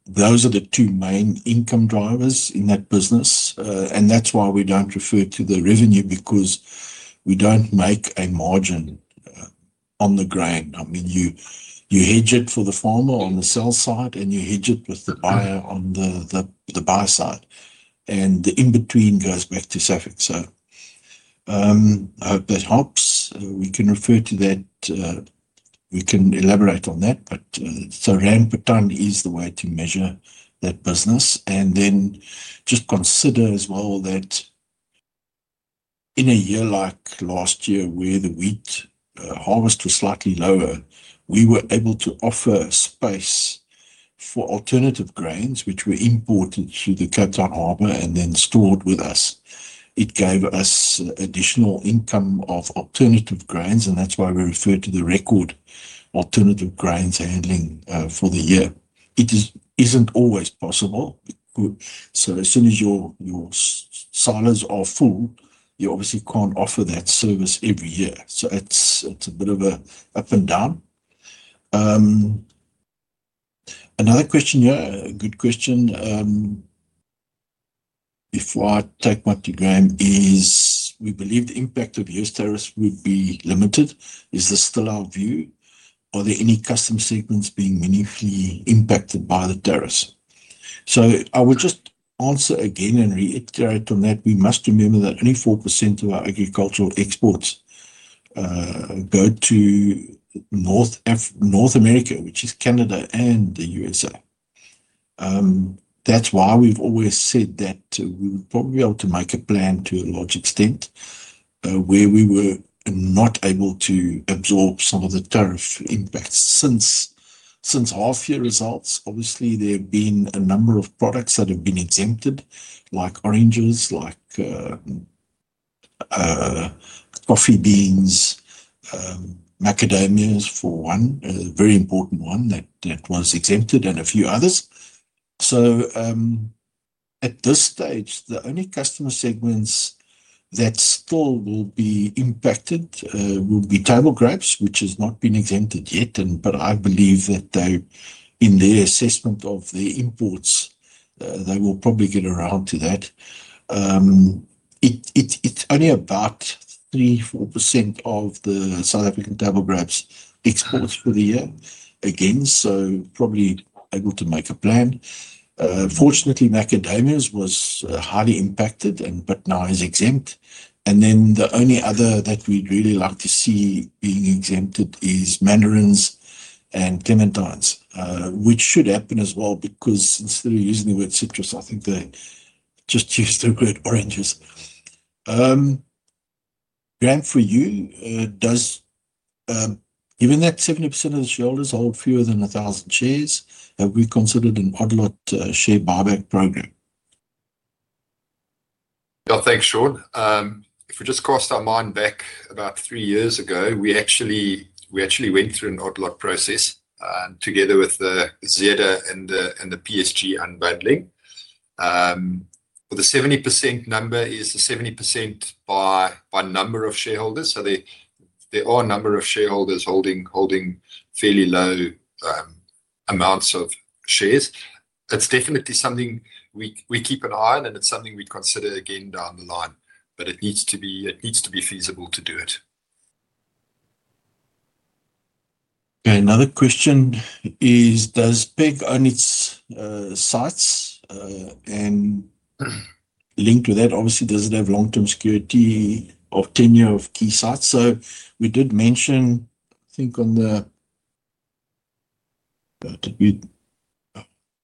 Those are the two main income drivers in that business. That is why we do not refer to the revenue, because we do not make a margin on the grain. I mean, you hedge it for the farmer on the sell side, and you hedge it with the buyer on the buy side. The in-between goes back to SAFEX. I hope that helps. We can refer to that. We can elaborate on that. Ramp-and-down is the way to measure that business. Just consider as well that in a year like last year, where the wheat harvest was slightly lower, we were able to offer space for alternative grains, which were imported through the Kirtan Harbour and then stored with us. It gave us additional income of alternative grains, and that's why we refer to the record alternative grains handling for the year. It isn't always possible. As soon as your silos are full, you obviously can't offer that service every year. It's a bit of an up and down. Another question, yeah, a good question. Before I take my to Graeme is, we believe the impact of U.S. tariffs would be limited. Is this still our view? Are there any customs segments being meaningfully impacted by the tariffs? I will just answer again and reiterate on that. We must remember that only 4% of our agricultural exports go to North America, which is Canada and the U.S.A. That's why we've always said that we would probably be able to make a plan to a large extent where we were not able to absorb some of the tariff impacts. Since half-year results, obviously, there have been a number of products that have been exempted, like oranges, like coffee beans, macadamias for one, a very important one that was exempted, and a few others. At this stage, the only customer segments that still will be impacted will be table grapes, which has not been exempted yet. I believe that in their assessment of their imports, they will probably get around to that. It's only about 3%-4% of the South African table grapes exports for the year. Again, probably able to make a plan. Fortunately, macadamias was highly impacted, but now is exempt. The only other that we'd really like to see being exempted is mandarins and clementines, which should happen as well, because instead of using the word citrus, I think they just used the word oranges. Graeme, for you, does given that 70% of the shareholders hold fewer than 1,000 shares, have we considered an odd lot share buyback program? Thanks, Sean. If we just crossed our mind back about three years ago, we actually went through an odd lot process together with Zeta and the PSG unbundling. The 70% number is the 70% by number of shareholders. So there are a number of shareholders holding fairly low amounts of shares. It's definitely something we keep an eye on, and it's something we'd consider again down the line. It needs to be feasible to do it. Okay, another question is, does PEG own its sites? And linked with that, obviously, does it have long-term security of tenure of key sites? We did mention, I think on the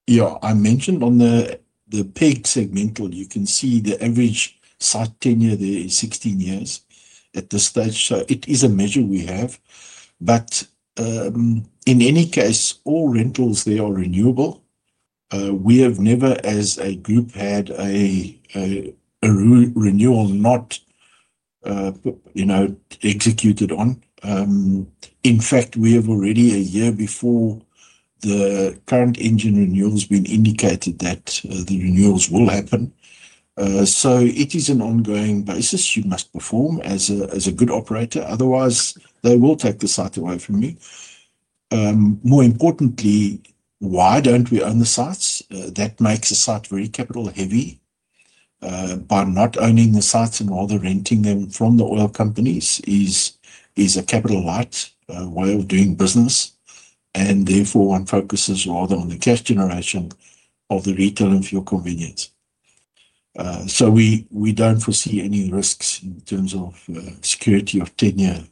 yeah, I mentioned on the PEG segmental, you can see the average site tenure there is 16 years at this stage. It is a measure we have. In any case, all rentals there are renewable. We have never, as a group, had a renewal not executed on. In fact, we have already, a year before the current engine renewals, been indicated that the renewals will happen. It is an ongoing basis you must perform as a good operator. Otherwise, they will take the site away from you. More importantly, why do not we own the sites? That makes the site very capital-heavy. By not owning the sites and rather renting them from the oil companies is a capital light way of doing business. Therefore, one focuses rather on the cash generation of the retail and fuel convenience. We do not foresee any risks in terms of security of tenure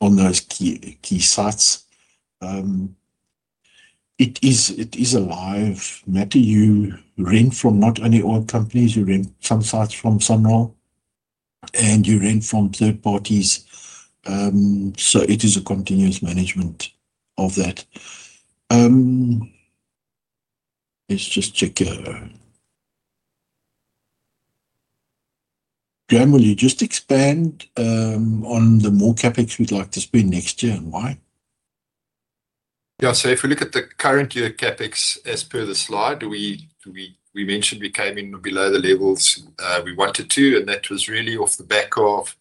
on those key sites. It is a live matter. You rent from not only oil companies. You rent some sites from Sunroll, and you rent from third parties. It is a continuous management of that. Let's just check. Graeme, will you just expand on the more CapEx we'd like to spend next year and why? Yeah, so if we look at the current year CapEx as per the slide, we mentioned we came in below the levels we wanted to, and that was really off the back of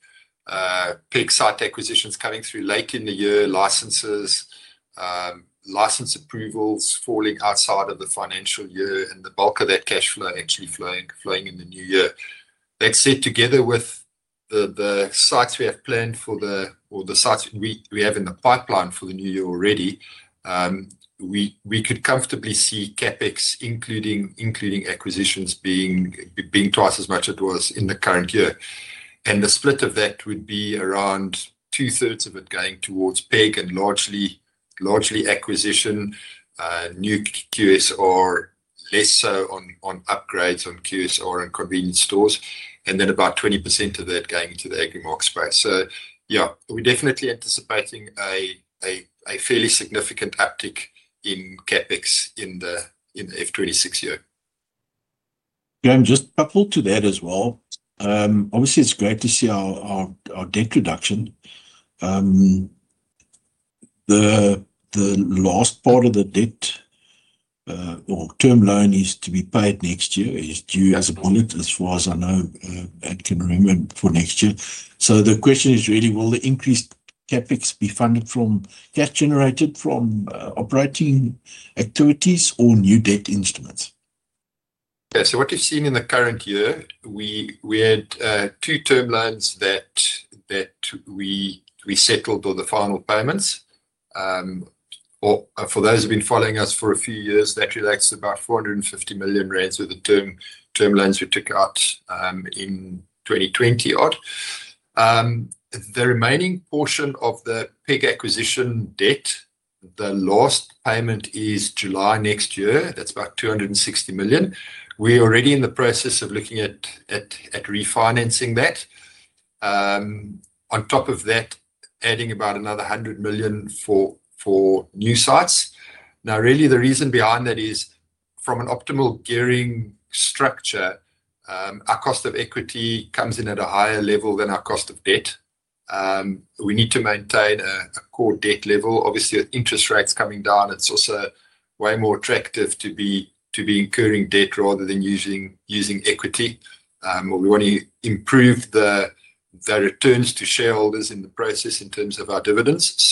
PEG site acquisitions coming through late in the year, licenses, license approvals falling outside of the financial year, and the bulk of that cash flow actually flowing in the new year. That said, together with the sites we have planned for the or the sites we have in the pipeline for the new year already, we could comfortably see CapEx, including acquisitions, being twice as much as it was in the current year. The split of that would be around 2/3 of it going towards PEG and largely acquisition, new QSR, less so on upgrades on QSR and convenience stores, and then about 20% of that going into the agri market space. Yeah, we're definitely anticipating a fairly significant uptick in CapEx in the F2026 year. Graeme, just a couple to that as well. Obviously, it's great to see our debt reduction. The last part of the debt or term loan is to be paid next year, is due as a bullet, as far as I know, and can remember for next year. The question is really, will the increased CapEx be funded from cash generated from operating activities or new debt instruments? Yeah, what you've seen in the current year, we had two term loans that we settled on the final payments. For those who've been following us for a few years, that relates to about 450 million rand with the term loans we took out in 2020 odd. The remaining portion of the PEG acquisition debt, the last payment is July next year. That's about 260 million. We're already in the process of looking at refinancing that. On top of that, adding about another 100 million for new sites. Now, really, the reason behind that is, from an optimal gearing structure, our cost of equity comes in at a higher level than our cost of debt. We need to maintain a core debt level. Obviously, with interest rates coming down, it's also way more attractive to be incurring debt rather than using equity. We want to improve the returns to shareholders in the process in terms of our dividends.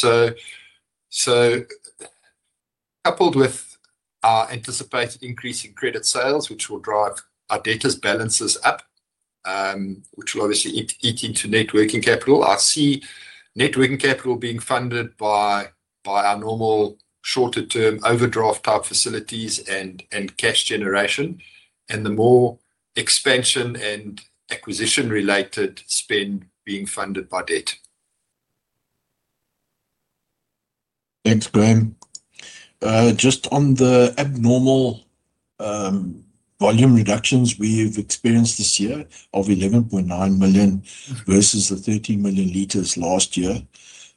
Coupled with our anticipated increase in credit sales, which will drive our debtors' balances up, which will obviously eat into networking capital. I see networking capital being funded by our normal shorter-term overdraft type facilities and cash generation, and the more expansion and acquisition-related spend being funded by debt. Thanks, Graeme. Just on the abnormal volume reductions we've experienced this year of 11.9 million L versus the 13 million L last year,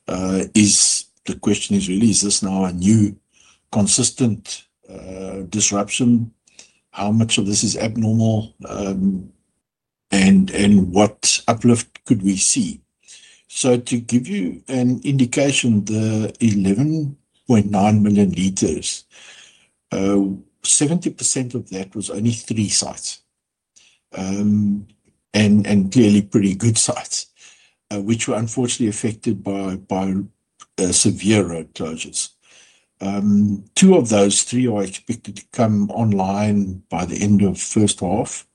the question is really, is this now a new consistent disruption? How much of this is abnormal, and what uplift could we see? To give you an indication, the 11.9 million L, 70% of that was only three sites, and clearly pretty good sites, which were unfortunately affected by severe road closures. Two of those three are expected to come online by the end of first half.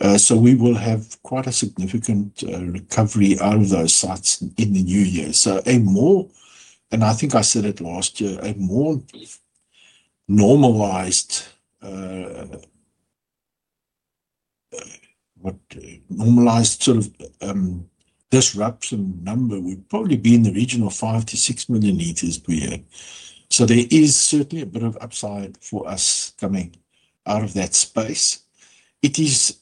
We will have quite a significant recovery out of those sites in the new year. A more, and I think I said it last year, a more normalized sort of disruption number would probably be in the region of 5 million L-6 million L per year. There is certainly a bit of upside for us coming out of that space. It is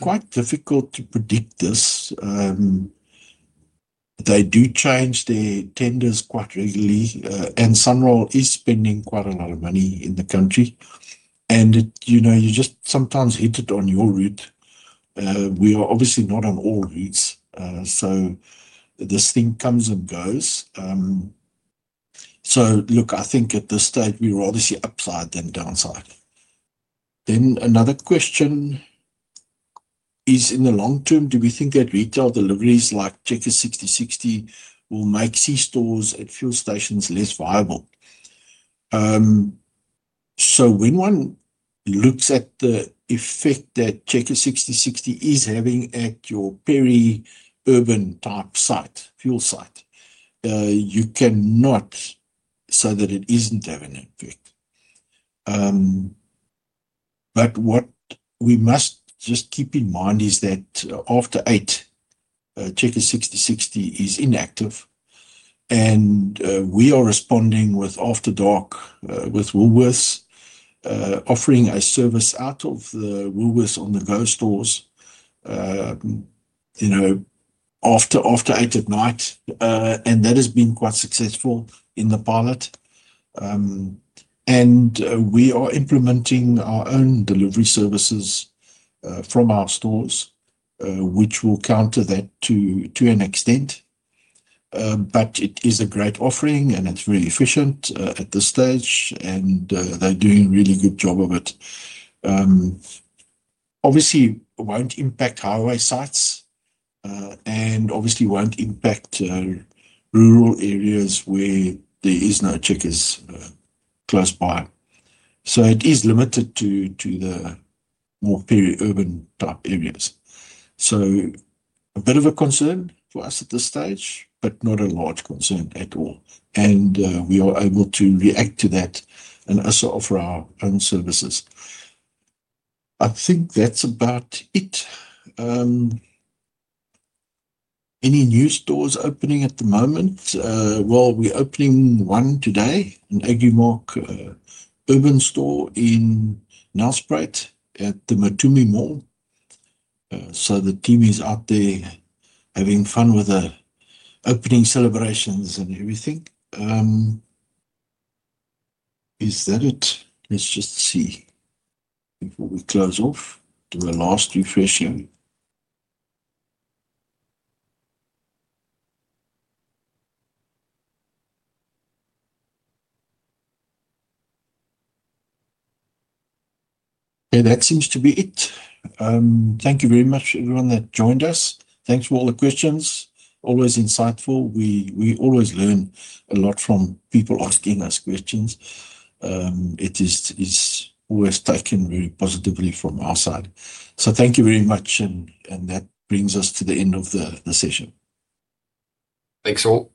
quite difficult to predict this. They do change their tenders quite regularly, and Sunroll is spending quite a lot of money in the country. You just sometimes hit it on your route. We are obviously not on all routes. This thing comes and goes. I think at this stage, we were obviously upside then downside. Another question is, in the long term, do we think that retail deliveries like Checkers 6060 will make c-stores at fuel stations less viable? When one looks at the effect that Checkers 6060 is having at your peri-urban type site, fuel site, you cannot say that it is not having an effect. What we must just keep in mind is that after 8:00 P.M., Checkers 6060 is inactive. We are responding with after dark with Woolworths, offering a service out of the Woolworths on-the-go stores after 8:00 P.M. at night. That has been quite successful in the pilot. We are implementing our own delivery services from our stores, which will counter that to an extent. It is a great offering, and it is really efficient at this stage, and they are doing a really good job of it. Obviously, it will not impact highway sites and obviously will not impact rural areas where there is no Checkers close by. It is limited to the more peri-urban type areas. A bit of a concern for us at this stage, but not a large concern at all. We are able to react to that and also offer our own services. I think that's about it. Any new stores opening at the moment? We're opening one today, an Agrimark urban store in Mbombela at the Matumi Mall. The team is out there having fun with the opening celebrations and everything. Is that it? Let's just see before we close off. Do a last refreshing. That seems to be it. Thank you very much, everyone that joined us. Thanks for all the questions. Always insightful. We always learn a lot from people asking us questions. It is always taken very positively from our side. Thank you very much, and that brings us to the end of the session. Thanks all.